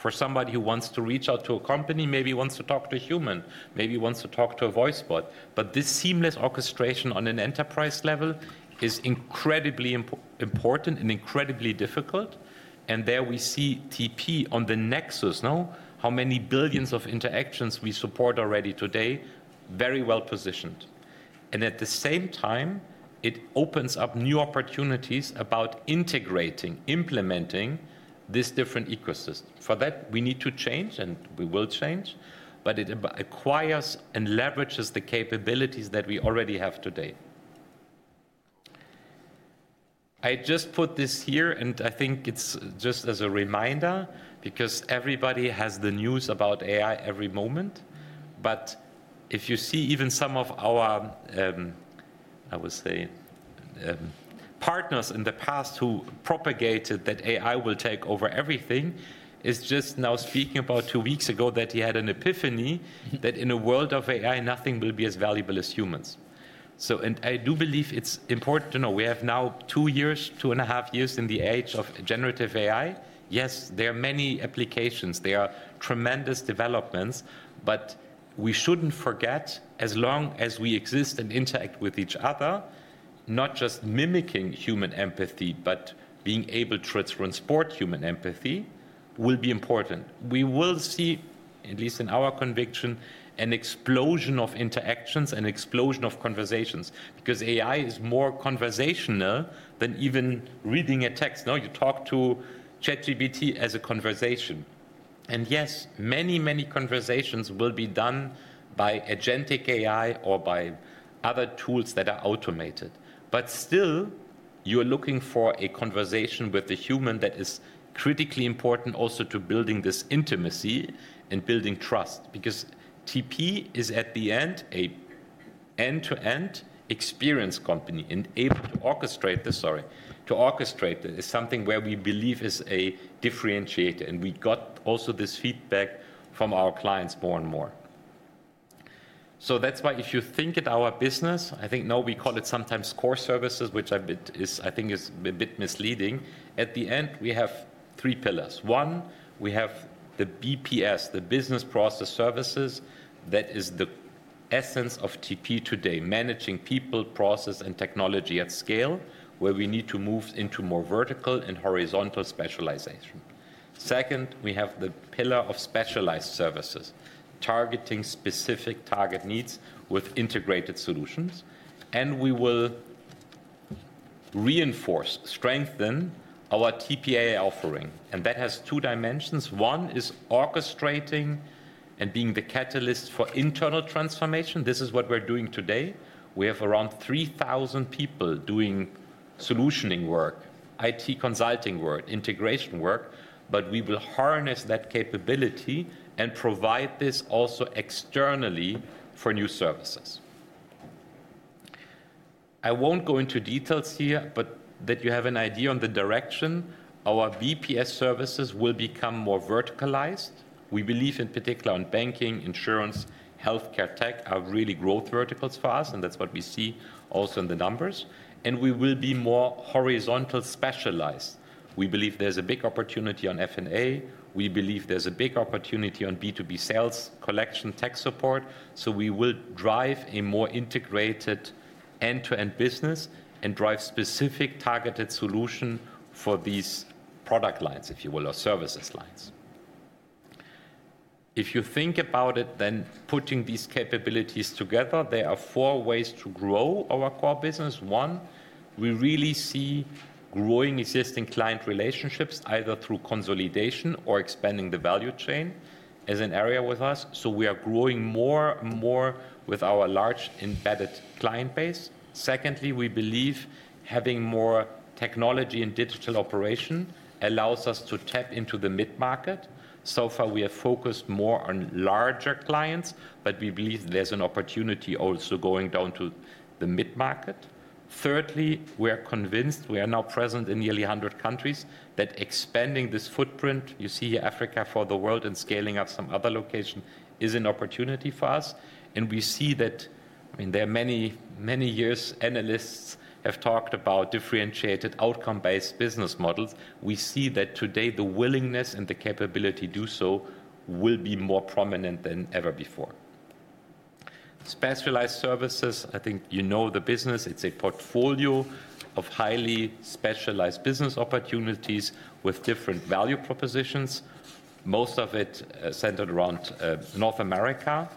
for somebody who wants to reach out to a company, maybe wants to talk to a human, maybe wants to talk to a voice bot, this seamless orchestration on an enterprise level is incredibly important and incredibly difficult. There we see TP on the Nexus. Know how many billions of interactions we support already today? Very well positioned. At the same time, it opens up new opportunities about integrating, implementing this different ecosystem. For that, we need to change and we will change, but it acquires and leverages the capabilities that we already have today. I just put this here, and I think it's just as a reminder because everybody has the news about AI every moment. If you see even some of our, I would say, partners in the past who propagated that AI will take over everything, it's just now speaking about two weeks ago that he had an epiphany that in a world of AI, nothing will be as valuable as humans. I do believe it's important to know, we have now two years, two and a half years in the age of generative AI. Yes, there are many applications. There are tremendous developments, but we shouldn't forget, as long as we exist and interact with each other, not just mimicking human empathy, but being able to transport human empathy, will be important. We will see, at least in our conviction, an explosion of interactions and an explosion of conversations, because AI is more conversational than even reading a text. Now you talk to ChatGPT as a conversation. Yes, many, many conversations will be done by agentic AI or by other tools that are automated. Still, you are looking for a conversation with the human that is critically important also to building this intimacy and building trust, because TP is a end-to-end experience company and able to orchestrate something where we believe is a differentiator. We got also this feedback from our clients more and more. That's why if you think at our business, I think now we call it sometimes Core Services, which I think is a bit misleading. At the end, we have three pillars. One, we have the BPS, the Business Process Services, that is the essence of TP today, managing people, process, and technology at scale, where we need to move into more vertical and horizontal specialization. Second, we have the pillar of specialized services, targeting specific target needs with integrated solutions. We will reinforce, strengthen our TPA offering, and that has two dimensions. One is orchestrating and being the catalyst for internal transformation. This is what we're doing today. We have around 3,000 people doing solutioning work, IT consulting work, integration work, but we will harness that capability and provide this also externally for new services. I won't go into details here, but you have an idea on the direction. Our BPS services will become more verticalized. We believe in particular on banking, insurance, healthcare tech are really growth verticals for us and that's what we see also in the numbers, and we will be more horizontal specialized. We believe there's a big opportunity on F&A. We believe there's a big opportunity on B2B sales, collection, tech support, so we will drive a more integrated end-to-end business and drive specific targeted solution for these product lines, if you will or services lines. If you think about it, then putting these capabilities together, there are four ways to grow our core business. One, we really see growing existing client relationships either through consolidation or expanding the value chain as an area with us, so we are growing more and more with our large embedded client base. Secondly, we believe having more technology and digital operation allows us to tap into the mid-market. So far, we have focused more on larger clients, but we believe there's an opportunity also going down to the mid-market. Thirdly, we are convinced we are now present in nearly 100 countries, that expanding this footprint you see here, Africa for the world and scaling up some other location is an opportunity for us. We see that there are many, many years analysts have talked about differentiated outcome-based business models. We see that today the willingness and the capability to do so will be more prominent than ever before. Specialized services, I think you know the business. It's a portfolio of highly specialized business opportunities with different value propositions, most of it centered around North America.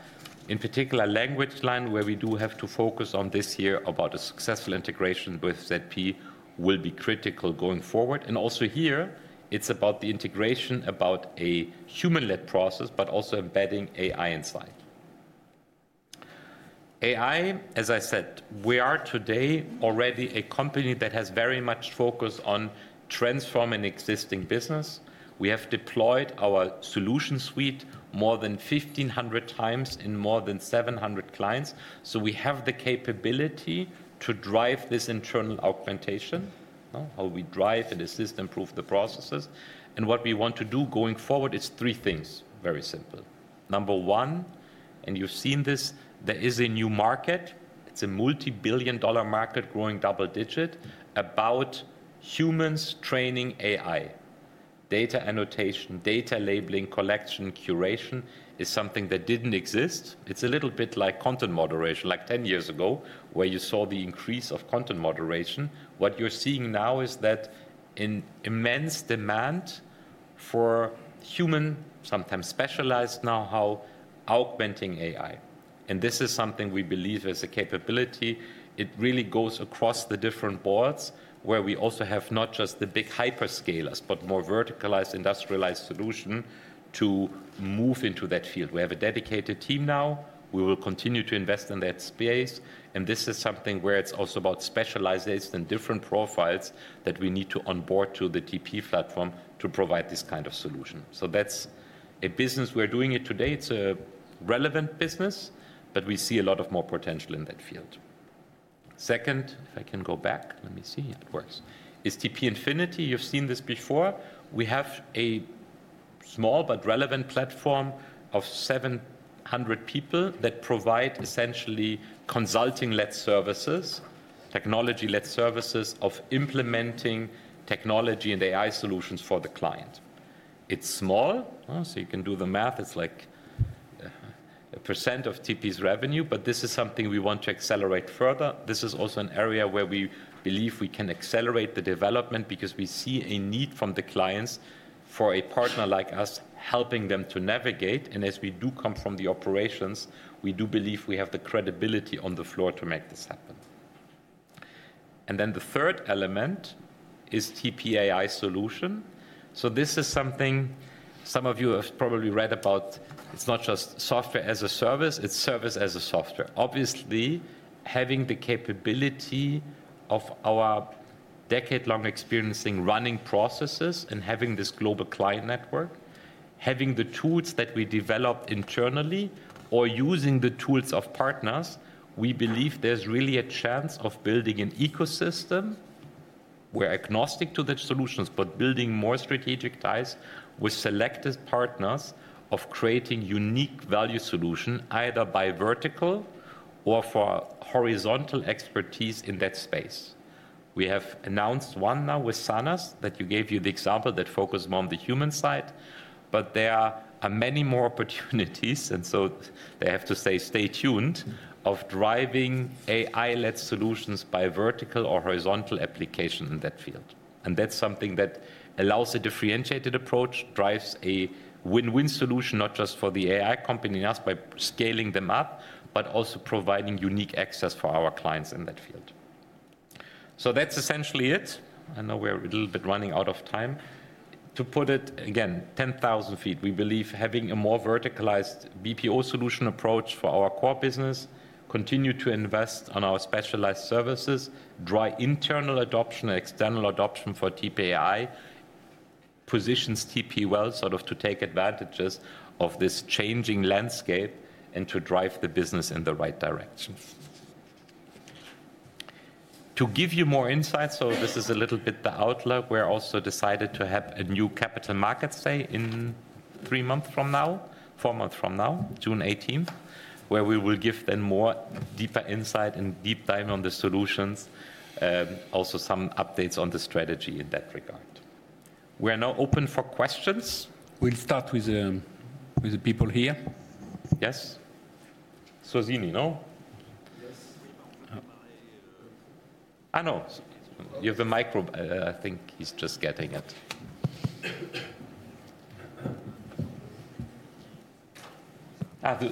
In particular, LanguageLine, where we do have to focus on this year about a successful integration with ZP, will be critical going forward. Also here, it's about the integration, about a human-led process, but also embedding AI insight. AI, as I said, we are today already a company that has very much focused on transforming existing business. We have deployed our solution suite more than 1,500x in more than 700 clients. We have the capability to drive this internal augmentation, how we drive and assist and improve the processes. What we want to do going forward is three things, very simple. Number one, and you've seen this, there is a new market. It's a multi-billion-dollar market, growing double-digit, about humans training AI. Data annotation, data labeling, collection, curation is something that didn't exist. It's a little bit like content moderation, like 10 years ago where you saw the increase of content moderation. What you're seeing now is that an immense demand for human, sometimes specialized know-how, augmenting AI, and this is something we believe is a capability. It really goes across the different boards, where we also have not just the big hyperscalers, but more verticalized, industrialized solution to move into that field. We have a dedicated team now. We will continue to invest in that space, and this is something where it's also about specialization and different profiles that we need to onboard to the TP platform to provide this kind of solution, so that's a business we're doing it today. It's a relevant business, but we see a lot of more potential in that field. Second, if I can go back, let me see, it works, is TP Infinity. You've seen this before. We have a small, but relevant platform of 700 people that provide essentially consulting-led services, technology-led services of implementing technology and AI solutions for the client. It's small, so you can do the math. It's like a percent of TP's revenue, but this is something we want to accelerate further. This is also an area where we believe we can accelerate the development, because we see a need from the clients for a partner like us helping them to navigate. As we do come from the operations, we do believe we have the credibility on the floor to make this happen. The third element is TP AI solution. This is something some of you have probably read about. It's not just software as a service, it's service as a software. Obviously, having the capability of our decade-long experience in running processes and having this global client network, having the tools that we developed internally or using the tools of partners, we believe there's really a chance of building an ecosystem, we're agnostic to the solutions, but building more strategic ties with selected partners of creating unique value solution either by vertical or for horizontal expertise in that space. We have announced one now with Sanas, that you gave the example that focused more on the human side, but there are many more opportunities. They have to stay tuned of driving AI-led solutions by vertical or horizontal application in that field. That's something that allows a differentiated approach, drives a win-win solution, not just for the AI company and us by scaling them up, but also providing unique access for our clients in that field. That's essentially it. I know we're a little bit running out of time. Again, 10,000 ft, we believe having a more verticalized BPO solution approach for our core business, continue to invest on our specialized services, drive internal adoption and external adoption for TP AI, positions TP well to take advantages of this changing landscape and to drive the business in the right direction. To give you more insight, so this is a little bit the outlook. We're also decided to have a new Capital Markets Day in three months from now, four months from now, June 18th, where we will give then more deeper insight and deep dive on the solutions, also some updates on the strategy in that regard. We are now open for questions. We'll start with the people here. Yes. Suhasini, [no]? Yes. I know. You have the micro. I think he's just getting it.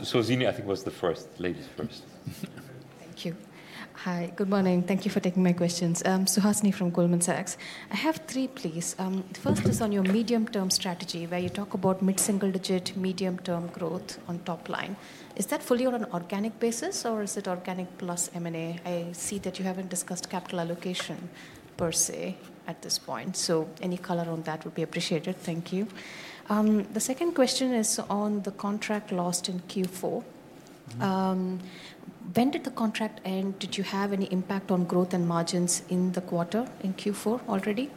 Suhasini, I think was the first, ladies first. Thank you. Hi, good morning. Thank you for taking my questions. Suhasini from Goldman Sachs. I have three, please. The first is on your medium-term strategy, where you talk about mid-single-digit medium-term growth on top line. Is that fully on an organic basis or is it organic plus M&A? I see that you haven't discussed capital allocation per se at this point. Any color on that would be appreciated. Thank you. The second question is on the contract lost in Q4. When did the contract end? Did you have any impact on growth and margins in the quarter in Q4 already?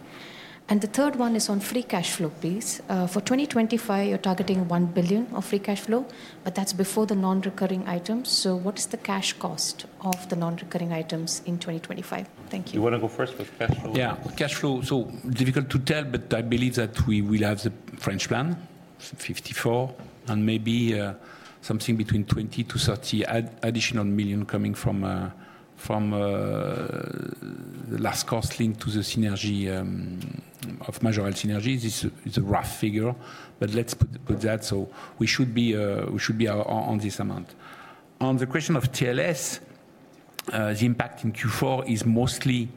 The third one is on free cash flow, please. For 2025, you're targeting 1 billion of free cash flow, but that's before the non-recurring items. What is the cash cost of the non-recurring items in 2025? Thank you. Do you want to go first with cash flow? Yeah, cash flow. Difficult to tell, but I believe that we will have the French plan, 54 million, and maybe something between 20 million-30 million additional coming from the last cost linked to the synergy of Majorel. It's a rough figure, but let's put that. We should be on this amount. On the question of TLS, the impact in Q4 is mostly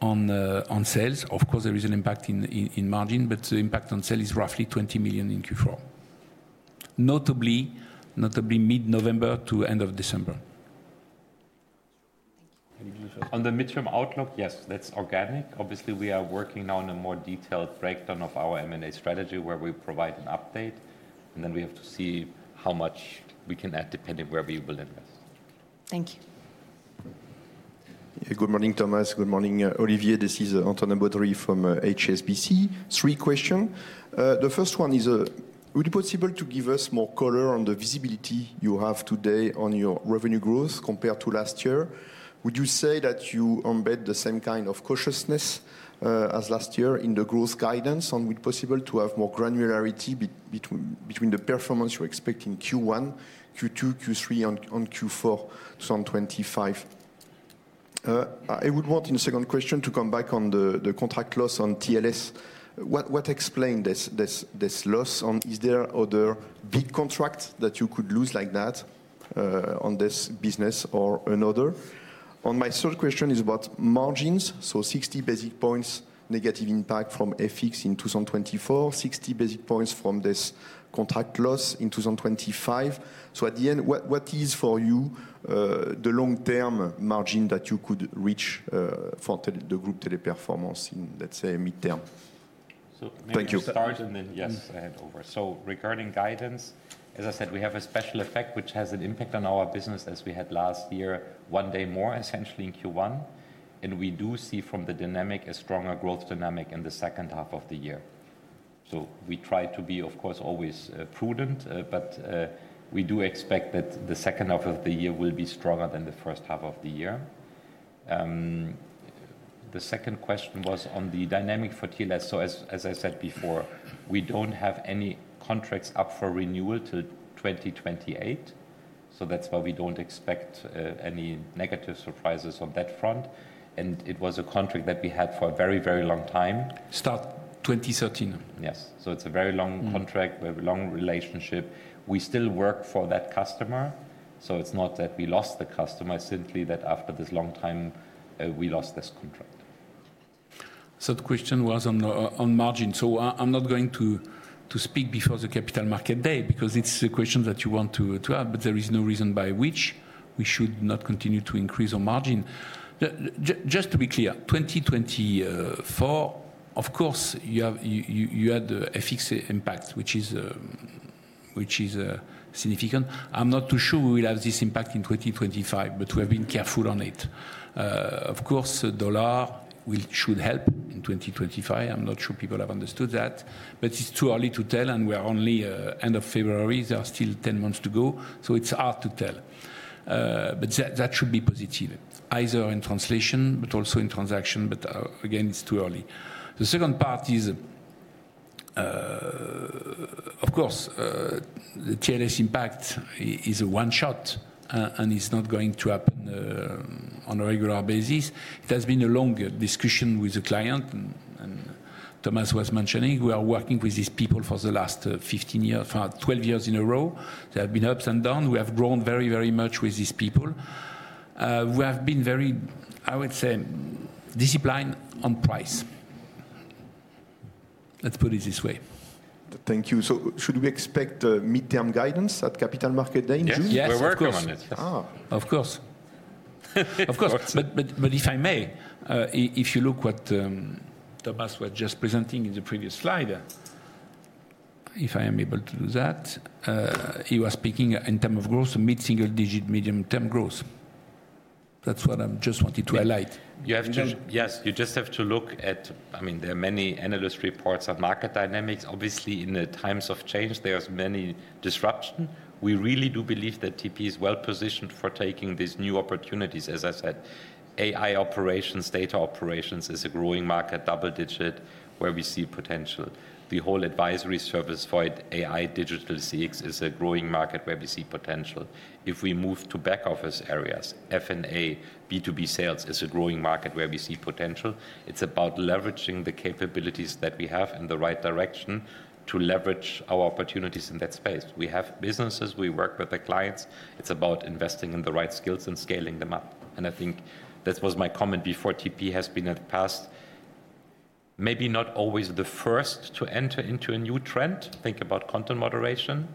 on sales. Of course, there is an impact in margin, but the impact on sales is roughly 20 million in Q4, notably mid-November to end of December. On the mid-term outlook, yes, that's organic. Obviously, we are working now on a more detailed breakdown of our M&A strategy, where we provide an update and then we have to see how much we can add depending where we will invest. Thank you. Yeah. Good morning, Thomas. Good morning, Olivier. This is Antonin Baudry from HSBC. Three questions. The first one is, would it be possible to give us more color on the visibility you have today on your revenue growth compared to last year? Would you say that you embed the same kind of cautiousness as last year in the growth guidance, and would it be possible to have more granularity between the performance you expect in Q1, Q2, Q3, and Q4 2025? I would want in the second question to come back on the contract loss on TLS. What explained this loss? Is there other big contracts that you could lose like that on this business or another? On my third question is about margins, so 60 basis points negative impact from FX in 2024, 60 basis points from this contract loss in 2025. At the end, what is for you the long-term margin that you could reach for the group Teleperformance in, let's say, mid-term? Thank you. Let me start, and then yes, I hand over. Regarding guidance, as I said, we have a special effect which has an impact on our business as we had last year, one day more essentially in Q1. We do see from the dynamic, a stronger growth dynamic in the second half of the year. We try to be of course always prudent, but we do expect that the second half of the year will be stronger than the first half of the year. The second question was on the dynamic for TLS. As I said before, we don't have any contracts up for renewal till 2028. That's why we don't expect any negative surprises on that front. It was a contract that we had for a very, very long time. Start 2013. Yes, so it's a very long contract, very long relationship. We still work for that customer. It's not that we lost the customer, it's simply that after this long time, we lost this contract. Third question was on margin. I'm not going to speak before the Capital Markets Day, because it's the question that you want to have, but there is no reason by which we should not continue to increase our margin. Just to be clear, 2024, of course you had the FX impact, which is significant. I'm not too sure we will have this impact in 2025, but we have been careful on it. Of course, dollar should help in 2025. I'm not sure people have understood that, but it's too early to tell and we are only at end of February. There are still 10 months to go, so it's hard to tell. That should be positive, either in translation, but also in transaction. Again, it's too early. The second part is of course the TLS impact is a one-shot, and is not going to happen on a regular basis. It has been a long discussion with the client. Thomas was mentioning, we are working with these people for the last 12 years in a row. There have been ups and downs. We have grown very, very much with these people. We have been very, I would say, disciplined on price. Let's put it this way. Thank you. Should we expect mid-term guidance at Capital Market Day in June? Yes, of course. If I may, if you look what Thomas was just presenting in the previous slide, if I am able to do that, he was speaking in terms of growth, mid-single-digit, medium-term growth. That's what I just wanted to highlight. Yes, you just have to look at, there are many analyst reports on market dynamics. Obviously, in times of change, there are many disruptions. We really do believe that TP is well-positioned for taking these new opportunities. As I said, AI operations, data operations is a growing market, double-digit, where we see potential. The whole advisory service for AI digital CX is a growing market where we see potential. If we move to back office areas, F&A, B2B sales is a growing market where we see potential. It's about leveraging the capabilities that we have in the right direction, to leverage our opportunities in that space. We have businesses, we work with the clients. It's about investing in the right skills and scaling them up. I think that was my comment before. TP has been in the past, maybe not always the first to enter into a new trend. Think about content moderation,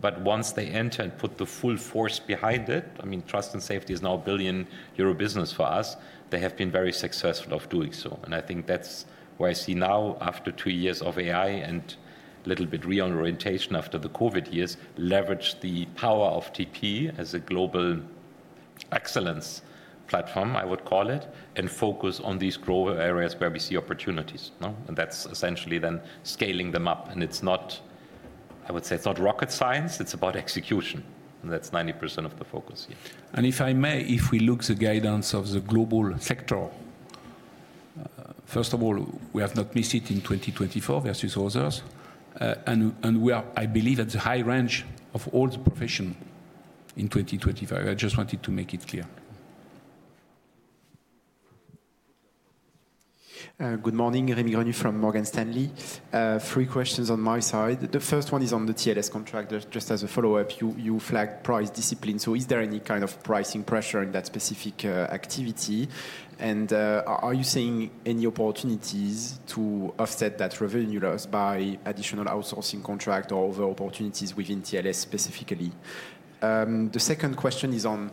but once they enter and put the full force behind it, I mean, Trust & Safety is now a 1 billion euro business for us, they have been very successful at doing so. I think that's where I see now, after two years of AI and a little bit reorientation after the COVID years, leveraged the power of TP as a global excellence platform, I would call it and focus on these growth areas where we see opportunities. That's essentially then scaling them up. I would say, it's not rocket science. It's about execution, and that's 90% of the focus here. If I may, if we look at the guidance of the global sector, first of all, we have not missed it in 2024 versus others. We are, I believe, at the high range of all the profession in 2025. I just wanted to make it clear. Good morning. Remi Grenu from Morgan Stanley. Three questions on my side. The first one is on the TLS contract. Just as a follow-up, you flagged price discipline. Is there any kind of pricing pressure in that specific activity? Are you seeing any opportunities to offset that revenue loss by additional outsourcing contract, or other opportunities within TLS specifically? The second question is on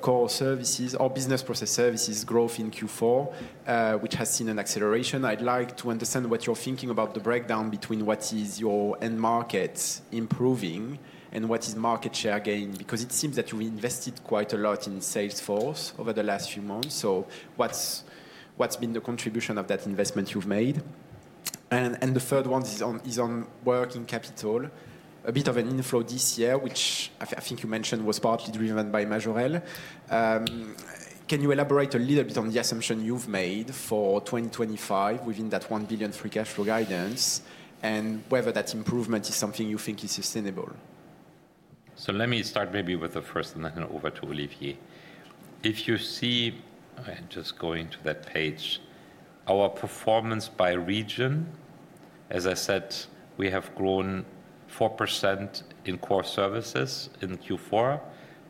Core Services or business process services growth in Q4, which has seen an acceleration. I'd like to understand what you're thinking about the breakdown, between what is your end market improving and what is market share gain? It seems that you've invested quite a lot in Salesforce over the last few months. What's been the contribution of that investment you've made? The third one is on working capital, a bit of an inflow this year, which I think you mentioned was partly driven by Majorel. Can you elaborate a little bit on the assumption you've made for 2025 within that 1 billion free cash flow guidance, and whether that improvement is something you think is sustainable? Let me start maybe with the first, and then over to Olivier. If you see, I'm just going to that page, our performance by region, as I said, we have grown 4% in Core Services in Q4.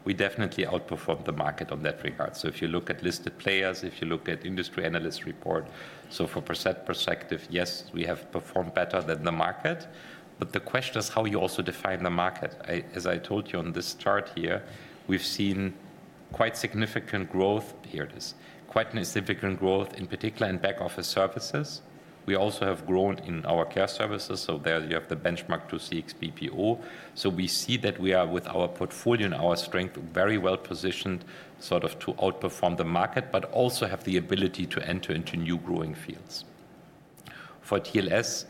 We definitely outperformed the market on that regard. If you look at listed players, if you look at industry analyst report, so from a percent perspective, yes, we have performed better than the market, but the question is how you also define the market. As I told you on this chart here, we've seen quite significant growth. Here it is. Quite significant growth, in particular in back office services. We also have grown in our care services, so there you have the benchmark to CX BPO. We see that we are with our portfolio and our strength very well positioned to outperform the market, but also have the ability to enter into new growing fields. For TLS,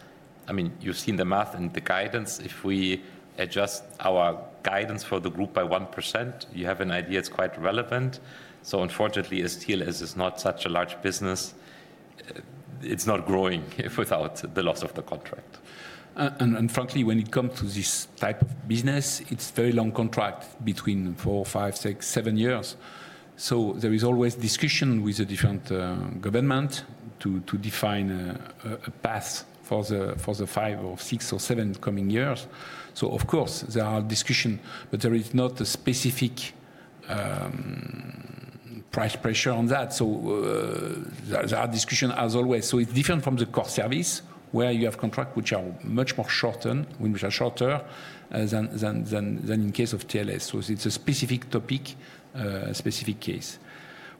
you've seen the math and the guidance. If we adjust our guidance for the group by 1%, you have an idea it's quite relevant. Unfortunately, as TLS is not such a large business, it's not growing without the loss of the contract. Frankly, when it comes to this type of business, it's a very long contract between four, five, six, seven years. There is always discussion with the different government, to define a path for the five or six or seven coming years. Of course, there are discussions, but there is not a specific price pressure on that, so there are discussions as always. It's different from the core service, where you have contracts which are much more shortened, which are shorter than in case of TLS. It's a specific topic, a specific case.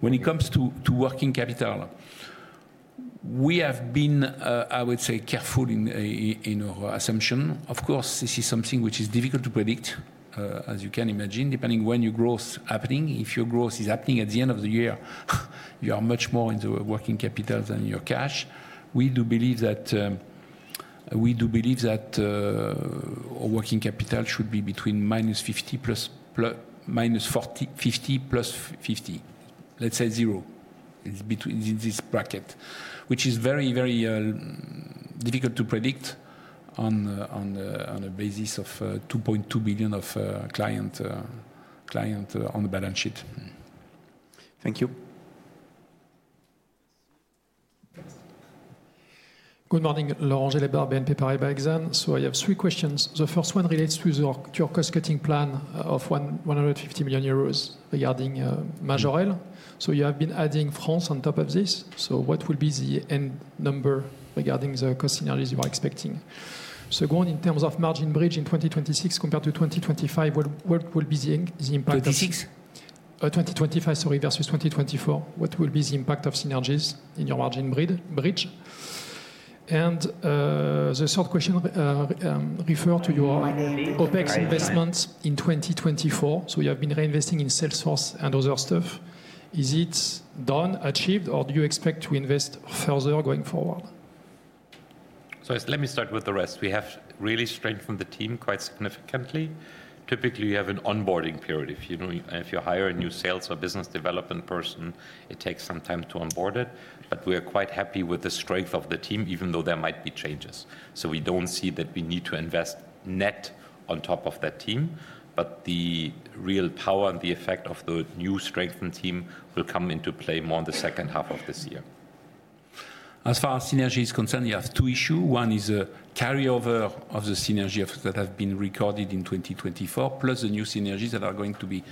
When it comes to working capital, we have been, I would say, careful in our assumption. Of course, this is something which is difficult to predict, as you can imagine, depending when your growth is happening. If your growth is happening at the end of the year, you are much more into working capital than your cash. We do believe that working capital should be between -50 plus 50, let's say zero, in this bracket, which is very, very difficult to predict on a basis of 2.2 billion of clients on the balance sheet. Thank you. Good morning, Laurent Gélébart, BNP Paribas Exane. I have three questions. The first one relates to your cost-cutting plan of 150 million euros, regarding Majorel. You have been adding France on top of this. What will be the end number regarding the cost synergies you are expecting? Going in terms of margin bridge in 2026 compared to 2025, what will be the impact? 2026? 2025, sorry, versus 2024, what will be the impact of synergies in your margin bridge? The third question refers to your [audio distortion OpEx investments in 2024? You have been reinvesting in Salesforce and other stuff. Is it done, achieved, or do you expect to invest further going forward? Let me start with the rest. We have really strengthened the team quite significantly. Typically, you have an onboarding period. If you hire a new sales or business development person, it takes some time to onboard it. We are quite happy with the strength of the team, even though there might be changes. We don't see that we need to invest net on top of that team, but the real power and the effect of the new strengthened team will come into play more in the second half of this year. As far as synergies is concerned, you have two issues. One is a carryover of the synergies that have been recorded in 2024, plus the new synergies that are going to be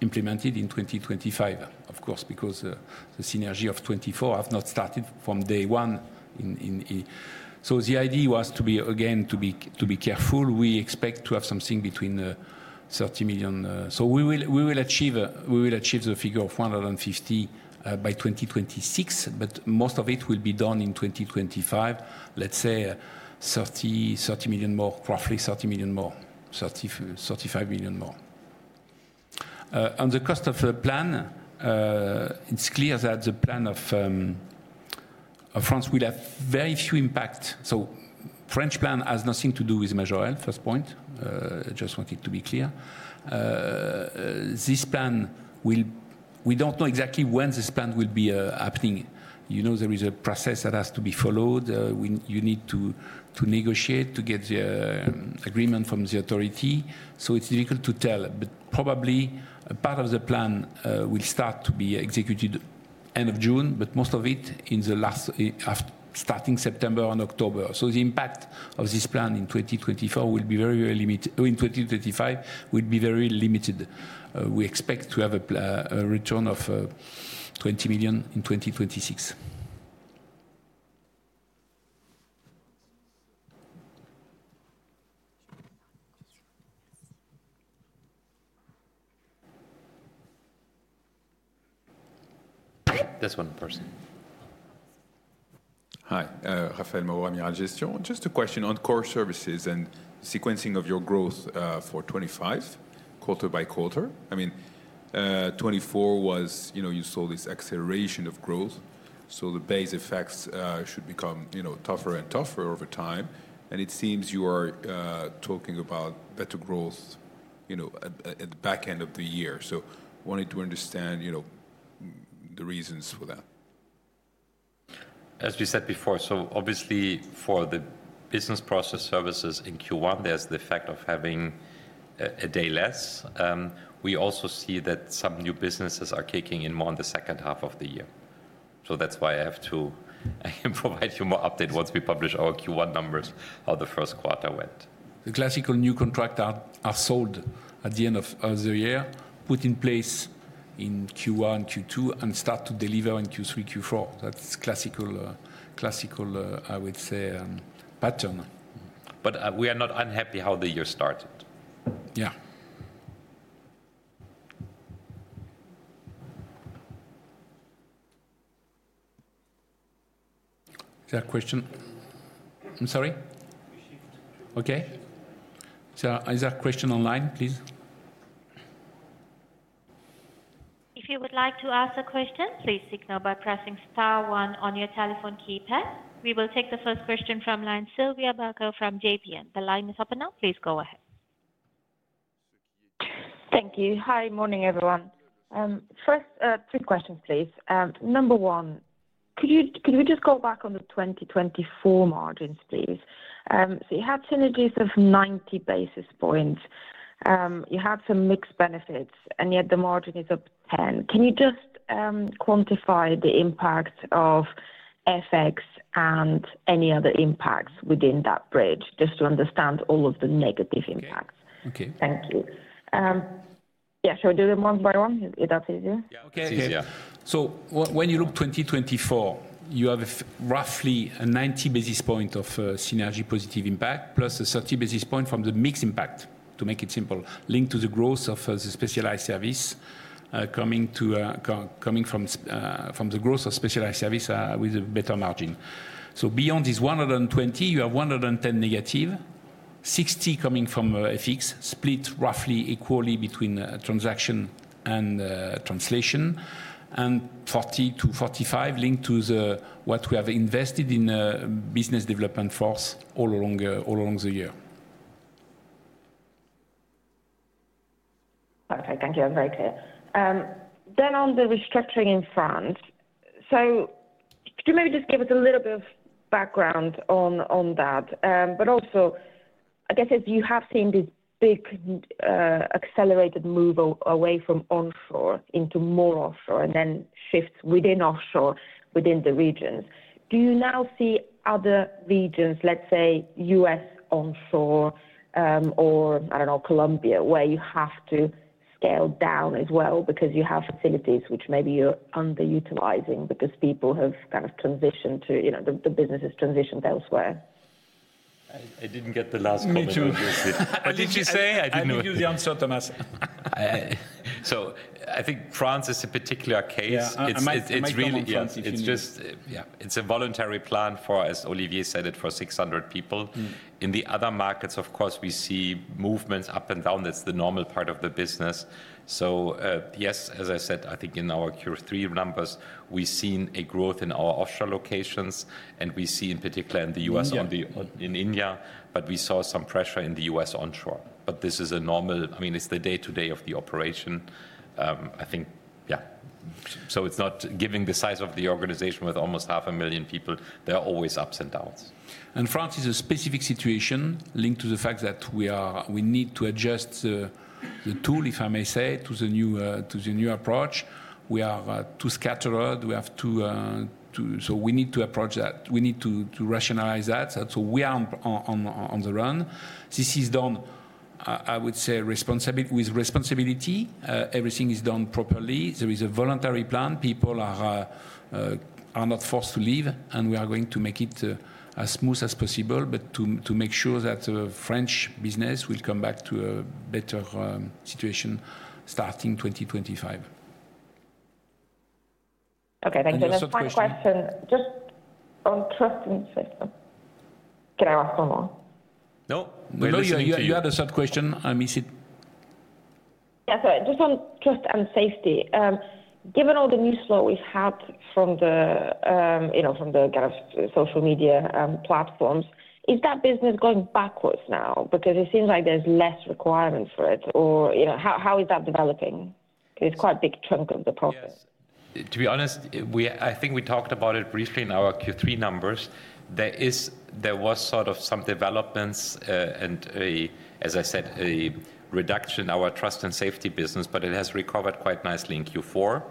implemented in 2025 of course, because the synergy of 24 has not started from day one. The idea was again, to be careful. We expect to have something between 30 million. We will achieve the figure of 150 million by 2026, but most of it will be done in 2025, let's say roughly 30 million more, 35 million more. On the cost of the plan, it's clear that the plan of France will have very few impacts. French plan has nothing to do with Majorel, first point. I just wanted to be clear. This plan, we don't know exactly when this plan will be happening. You know there is a process that has to be followed. You need to negotiate to get the agreement from the authority. It's difficult to tell, but probably part of the plan will start to be executed end of June, but most of it, starting September and October. The impact of this plan in 2025, it will be very limited. We expect to have a return of 20 million in 2026. That's one person. Hi, [Raphaël Moreau, Amiral Gestion]. Just a question on Core Services and sequencing of your growth for 2025, quarter by quarter. 2024, you saw this acceleration of growth, so the base effects should become tougher and tougher over time. It seems you are talking about better growth at the back end of the year. I wanted to understand the reasons for that. As we said before, so obviously for the business process services in Q1, there's the effect of having a day less. We also see that some new businesses are kicking in more in the second half of the year, so that's why I have to provide you more updates once we publish our Q1 numbers, how the first quarter went. The classical new contracts are sold at the end of the year, put in place in Q1, Q2, and start to deliver in Q3, Q4. That's classical, I would say pattern. We are not unhappy how the year started. Yeah. Is there a question? I'm sorry? Okay, is there a question online, please? If you would like to ask a question, please signal by pressing star one on your telephone keypad. We will take the first question from line Sylvia Barker from JPM. The line is open now. Please go ahead. Thank you. Hi. Morning, everyone. First, three questions, please. Number one, could we just go back on the 2024 margins, please? You had synergies of 90 basis points. You had some mixed benefits, and yet the margin is up 10. Can you just quantify the impact of FX and any other impacts within that bridge, just to understand all of the negative impacts? Okay. Thank you. Yeah, should we do them one by one, that's easier? Yeah, okay. That's easier. When you look at 2024, you have roughly a 90 basis points of synergy positive impact, plus a 30 basis points from the mixed impact, to make it simple, linked to the growth of the specialized services, coming from the growth of specialized services with a better margin. Beyond these 120, you have -110, 60 coming from FX, split roughly equally between transaction and translation, and 40-45 linked to what we have invested in business development force all along the year. Okay, thank you. Very clear. On the restructuring in France, so could you maybe just give us a little bit of background on that? Also, as you have seen this big accelerated move away from onshore into more offshore and then shifts within offshore within the regions, do you now see other regions, let's say U.S. onshore or I don't know, Colombia, where you have to scale down as well because you have facilities which maybe you're underutilizing because the business has transitioned elsewhere? I didn't get the last comment, obviously. Me too. What did you say? I didn't know. I'll give you the answer, Thomas. I think France is a particular case. I might offensive. Yeah, it's a voluntary plan for, as Olivier said it, for 600 people. In the other markets, of course, we see movements up and down. That's the normal part of the business. Yes, as I said, I think in our Q3 numbers, we've seen a growth in our offshore locations. We see in particular in the U.S., in India, but we saw some pressure in the U.S. onshore. This is a normal, it's the day-to-day of the operation. I think it's not giving the size of the organization with almost 500,000 people. There are always ups and downs. France is a specific situation, linked to the fact that we need to adjust the tool, if I may say, to the new approach. We are too scattered, so we need to approach that. We need to rationalize that. We are on the run. This is done, I would say with responsibility. Everything is done properly. There is a voluntary plan. People are not forced to leave, and we are going to make it as smooth as possible, but to make sure that the French business will come back to a better situation starting 2025, and your third question? Okay, thank you. The third question, just on Trust & Safety. Can I ask one more? No, you had a third question. I missed it. Yeah, sorry. Just on Trust & Safety. Given all the news flow we've had from the social media platforms, is that business going backwards now? It seems like there's less requirement for it, or how is that developing? It's quite a big chunk of the problem. To be honest, I think we talked about it briefly in our Q3 numbers. There was some developments, and as I said, a reduction in our Trust & Safety business, but it has recovered quite nicely in Q4.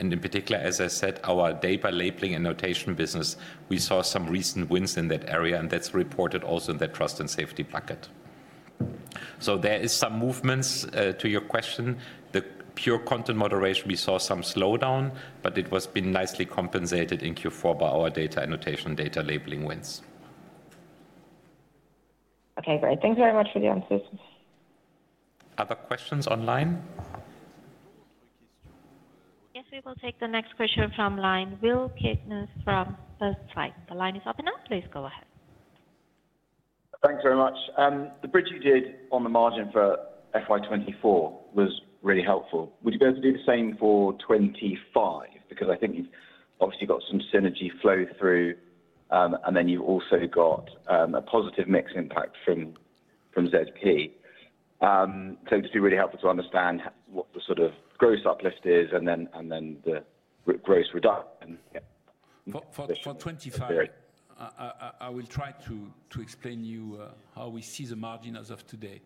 In particular, as I said, our data labeling and annotation business, we saw some recent wins in that area, and that's reported also in that Trust & Safety bucket. There are some movements. To your question, the pure content moderation, we saw some slowdown, but it was nicely compensated in Q4 by our data annotation and data labeling wins. Okay, great. Thank you very much for the answers. Other questions online? Yes, we will take the next question from the line. Will Kirkness from Bernstein. The line is open now. Please go ahead. Thanks very much. The bridge you did on the margin for FY 2024 was really helpful. Would you be able to do the same for 2025? I think you've obviously got some synergy flow through, and then you've also got a positive mixed impact from ZP. It would be really helpful to understand what the gross uplift is and then the gross reduction. For 25, I will try to explain to you how we see the margin as of today.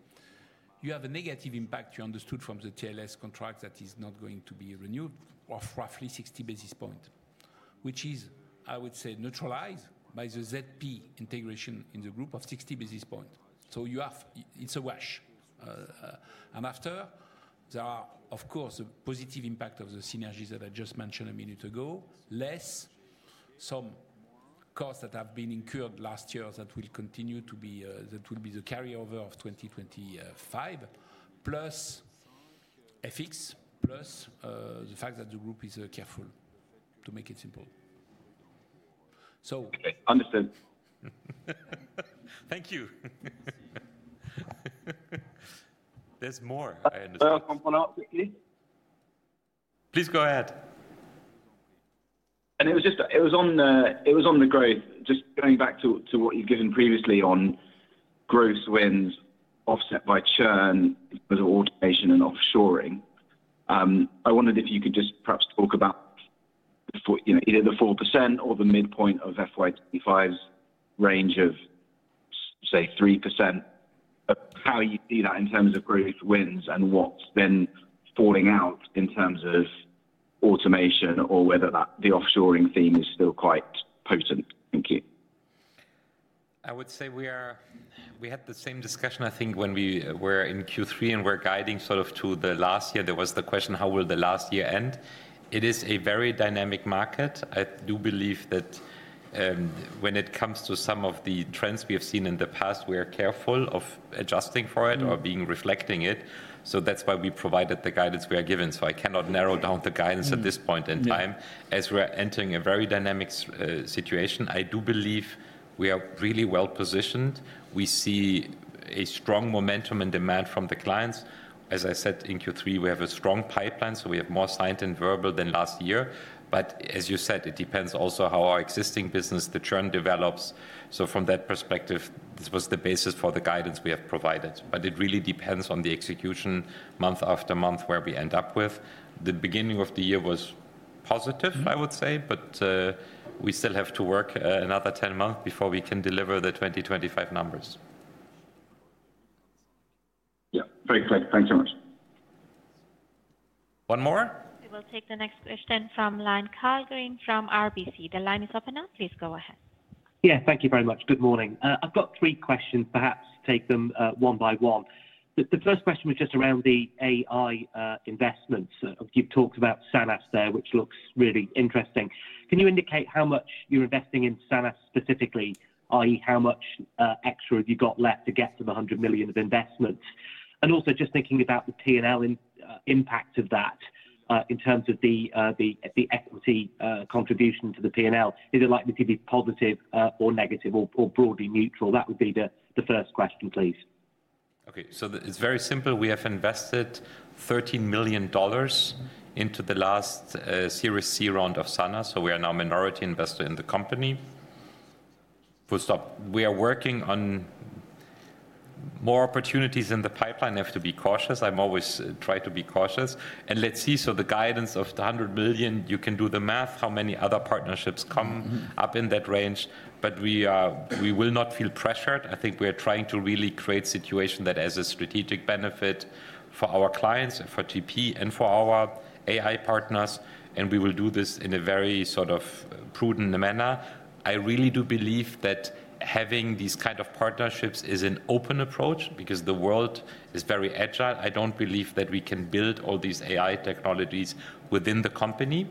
You have a negative impact, you understood, from the TLS contract that is not going to be renewed, of roughly 60 basis points, which is I would say, neutralized by the ZP integration in the group of 60 basis points. It's a wash, and after, there are of course the positive impact of the synergies that I just mentioned a minute ago, less some costs that have been incurred last year that will be the carryover of 2025, plus FX, plus the fact that the group is careful, to make it simple. Understood. Thank you. There's more, I understand. Please go ahead. It was on the growth, just going back to what you've given previously on gross wins offset by churn as an automation and offshoring. I wondered if you could just perhaps talk about either the 4% or the midpoint of FY 2025's range of say 3%, how you see that in terms of growth wins and what's then falling out in terms of automation, or whether the offshoring theme is still quite potent? Thank you. I would say we had the same discussion, I think when we were in Q3 and were guiding to the last year. There was the question, how will the last year end? It is a very dynamic market. I do believe that when it comes to some of the trends we have seen in the past, we are careful of adjusting for it or reflecting it. That's why we provided the guidance we are given. I cannot narrow down the guidance at this point in time. As we're entering a very dynamic situation, I do believe we are really well-positioned. We see a strong momentum and demand from the clients. As I said, in Q3, we have a strong pipeline, so we have more signed and verbal than last year. As you said, it depends also how our existing business, the churn develops. From that perspective, this was the basis for the guidance we have provided. It really depends on the execution month after month where we end up with. The beginning of the year was positive, I would say, but we still have to work another 10 months before we can deliver the 2025 numbers. Very clear. Thanks so much. One more? We will take the next question from the line Karl Green from RBC. The line is open now. Please go ahead. Yeah, thank you very much. Good morning. I've got three questions, perhaps take them one by one. The first question was just around the AI investments. You've talked about Sanas there, which looks really interesting. Can you indicate how much you're investing in Sanas specifically, i.e., how much extra you've got left to get to the 100 million of investment? Also, just thinking about the P&L impact of that in terms of the equity contribution to the P&L, is it likely to be positive or negative or broadly neutral? That would be the first question, please. Okay, so it's very simple. We have invested $13 million into the last series C round of Sanas, so we are now a minority investor in the company. We are working on more opportunities in the pipeline. I have to be cautious. I'm always trying to be cautious, and let's see, so the guidance of the 100 million, you can do the math, how many other partnerships come up in that range, but we will not feel pressured. I think we are trying to really create a situation that has a strategic benefit for our clients, for TP and for our AI partners, and we will do this in a very prudent manner. I really do believe that having these kinds of partnerships is an open approach because the world is very agile. I don't believe that we can build all these AI technologies within the company.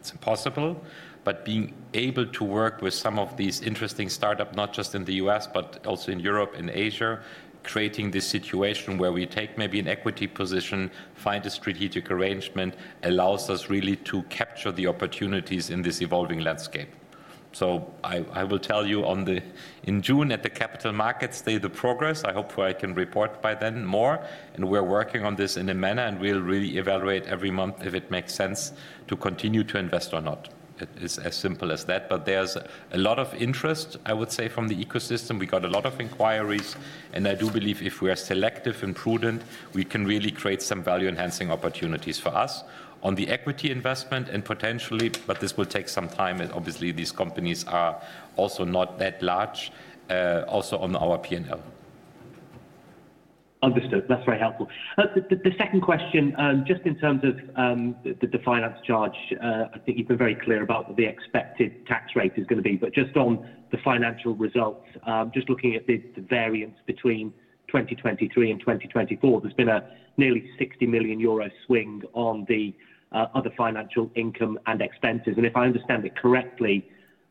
It's impossible, but being able to work with some of these interesting startups, not just in the U.S., but also in Europe, in Asia, creating this situation where we take maybe an equity position, find a strategic arrangement, allows us really to capture the opportunities in this evolving landscape. I will tell you, in June at the capital markets the progress. I hope I can report by then more, and we're working on this in a manner and we'll really evaluate every month if it makes sense to continue to invest or not. It is as simple as that, but there's a lot of interest, I would say, from the ecosystem. We got a lot of inquiries, and I do believe if we are selective and prudent, we can really create some value-enhancing opportunities for us on the equity investment and potentially, but this will take some time. Obviously, these companies are also not that large, also on our P&L. Understood, that's very helpful. The second question, just in terms of the finance charge, I think you've been very clear about what the expected tax rate is going to be, but just on the financial results, just looking at the variance between 2023 and 2024, there's been a nearly 60 million euro swing on the other financial income and expenses. If I understand it correctly,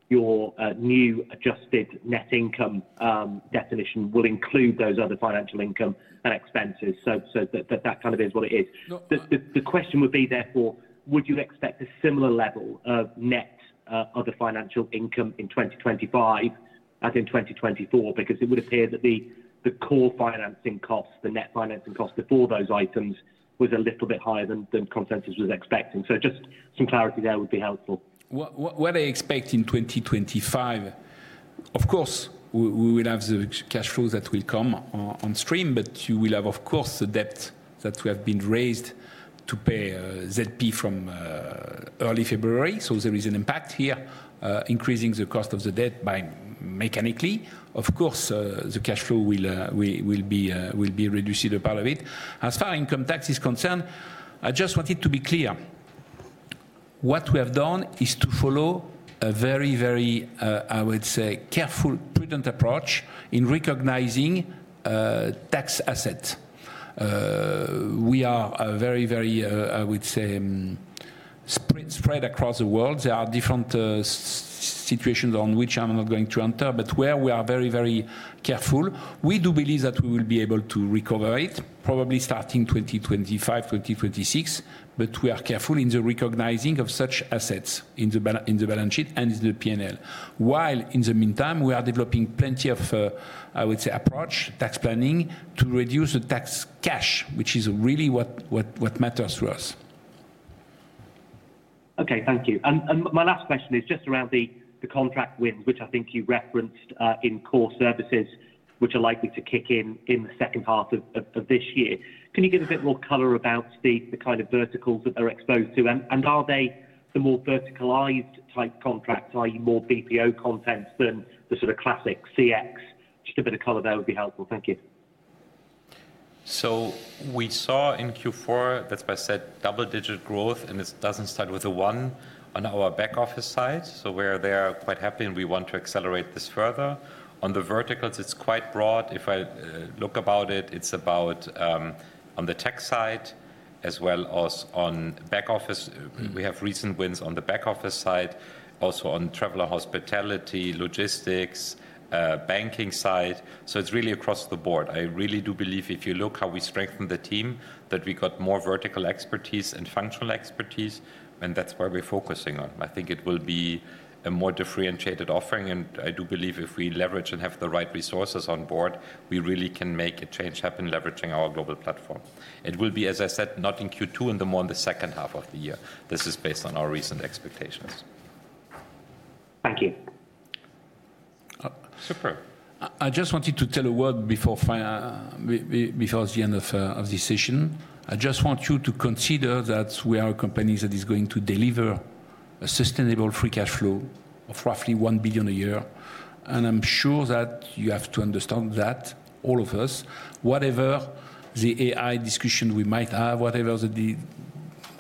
your new adjusted net income definition will include those other financial income and expenses. That kind of is what it is. The question would be therefore, would you expect a similar level of net other financial income in 2025 as in 2024? It would appear that the core financing cost, the net financing cost before those items, was a little bit higher than consensus was expecting. Just some clarity there would be helpful. What I expect in 2025, of course, we will have the cash flows that will come on stream, but you will have of course, the debt that will have been raised to pay ZP from early February. There is an impact here, increasing the cost of the debt mechanically. Of course, the cash flow will be reduced to a part of it. As far as income tax is concerned, I just wanted to be clear. What we have done is to follow a very, very, I would say, careful, prudent approach in recognizing tax assets. We are very, very, I would say spread across the world. There are different situations on which I'm not going to answer, but where we are very, very careful. We do believe that we will be able to recover it, probably starting 2025, 2026, but we are careful in recognizing such assets in the balance sheet and in the P&L. While in the meantime, we are developing plenty of, I would say approach, tax planning to reduce the tax cash, which is really what matters for us. Okay, thank you. My last question is just around the contract wins, which I think you referenced in Core Services, which are likely to kick in in the second half of this year. Can you give a bit more color about the kind of verticals that they're exposed to? Are they the more verticalized type contracts, i.e., more BPO contents than the classic CX? Just a bit of color there would be helpful. Thank you. We saw in Q4, that's why I said double-digit growth, and it doesn't start with a one, on our back office side, where they're quite happy, and we want to accelerate this further. On the verticals, it's quite broad. If I look about it, it's on the tech side as well as on back office. We have recent wins on the back office side, also on traveler, hospitality, logistics, banking side. It's really across the board. I really do believe if you look how we strengthen the team, that we got more vertical expertise and functional expertise, and that's where we're focusing on. I think it will be a more differentiated offering, and I do believe if we leverage and have the right resources on board, we really can make a change happen, leveraging our global platform. It will be, as I said, not in Q2, and more in the second half of the year. This is based on our recent expectations. Thank you. Super. I just wanted to tell a word before the end of this session. I just want you to consider that we are a company that is going to deliver a sustainable free cash flow of roughly 1 billion a year. I'm sure that you have to understand that, all of us, whatever the AI discussion we might have, whatever the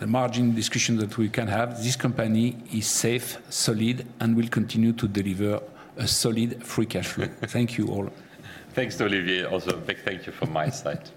margin discussion that we can have, this company is safe, solid, and will continue to deliver a solid free cash flow. Thank you all. Thanks, Olivier. Also, a big thank you from my side.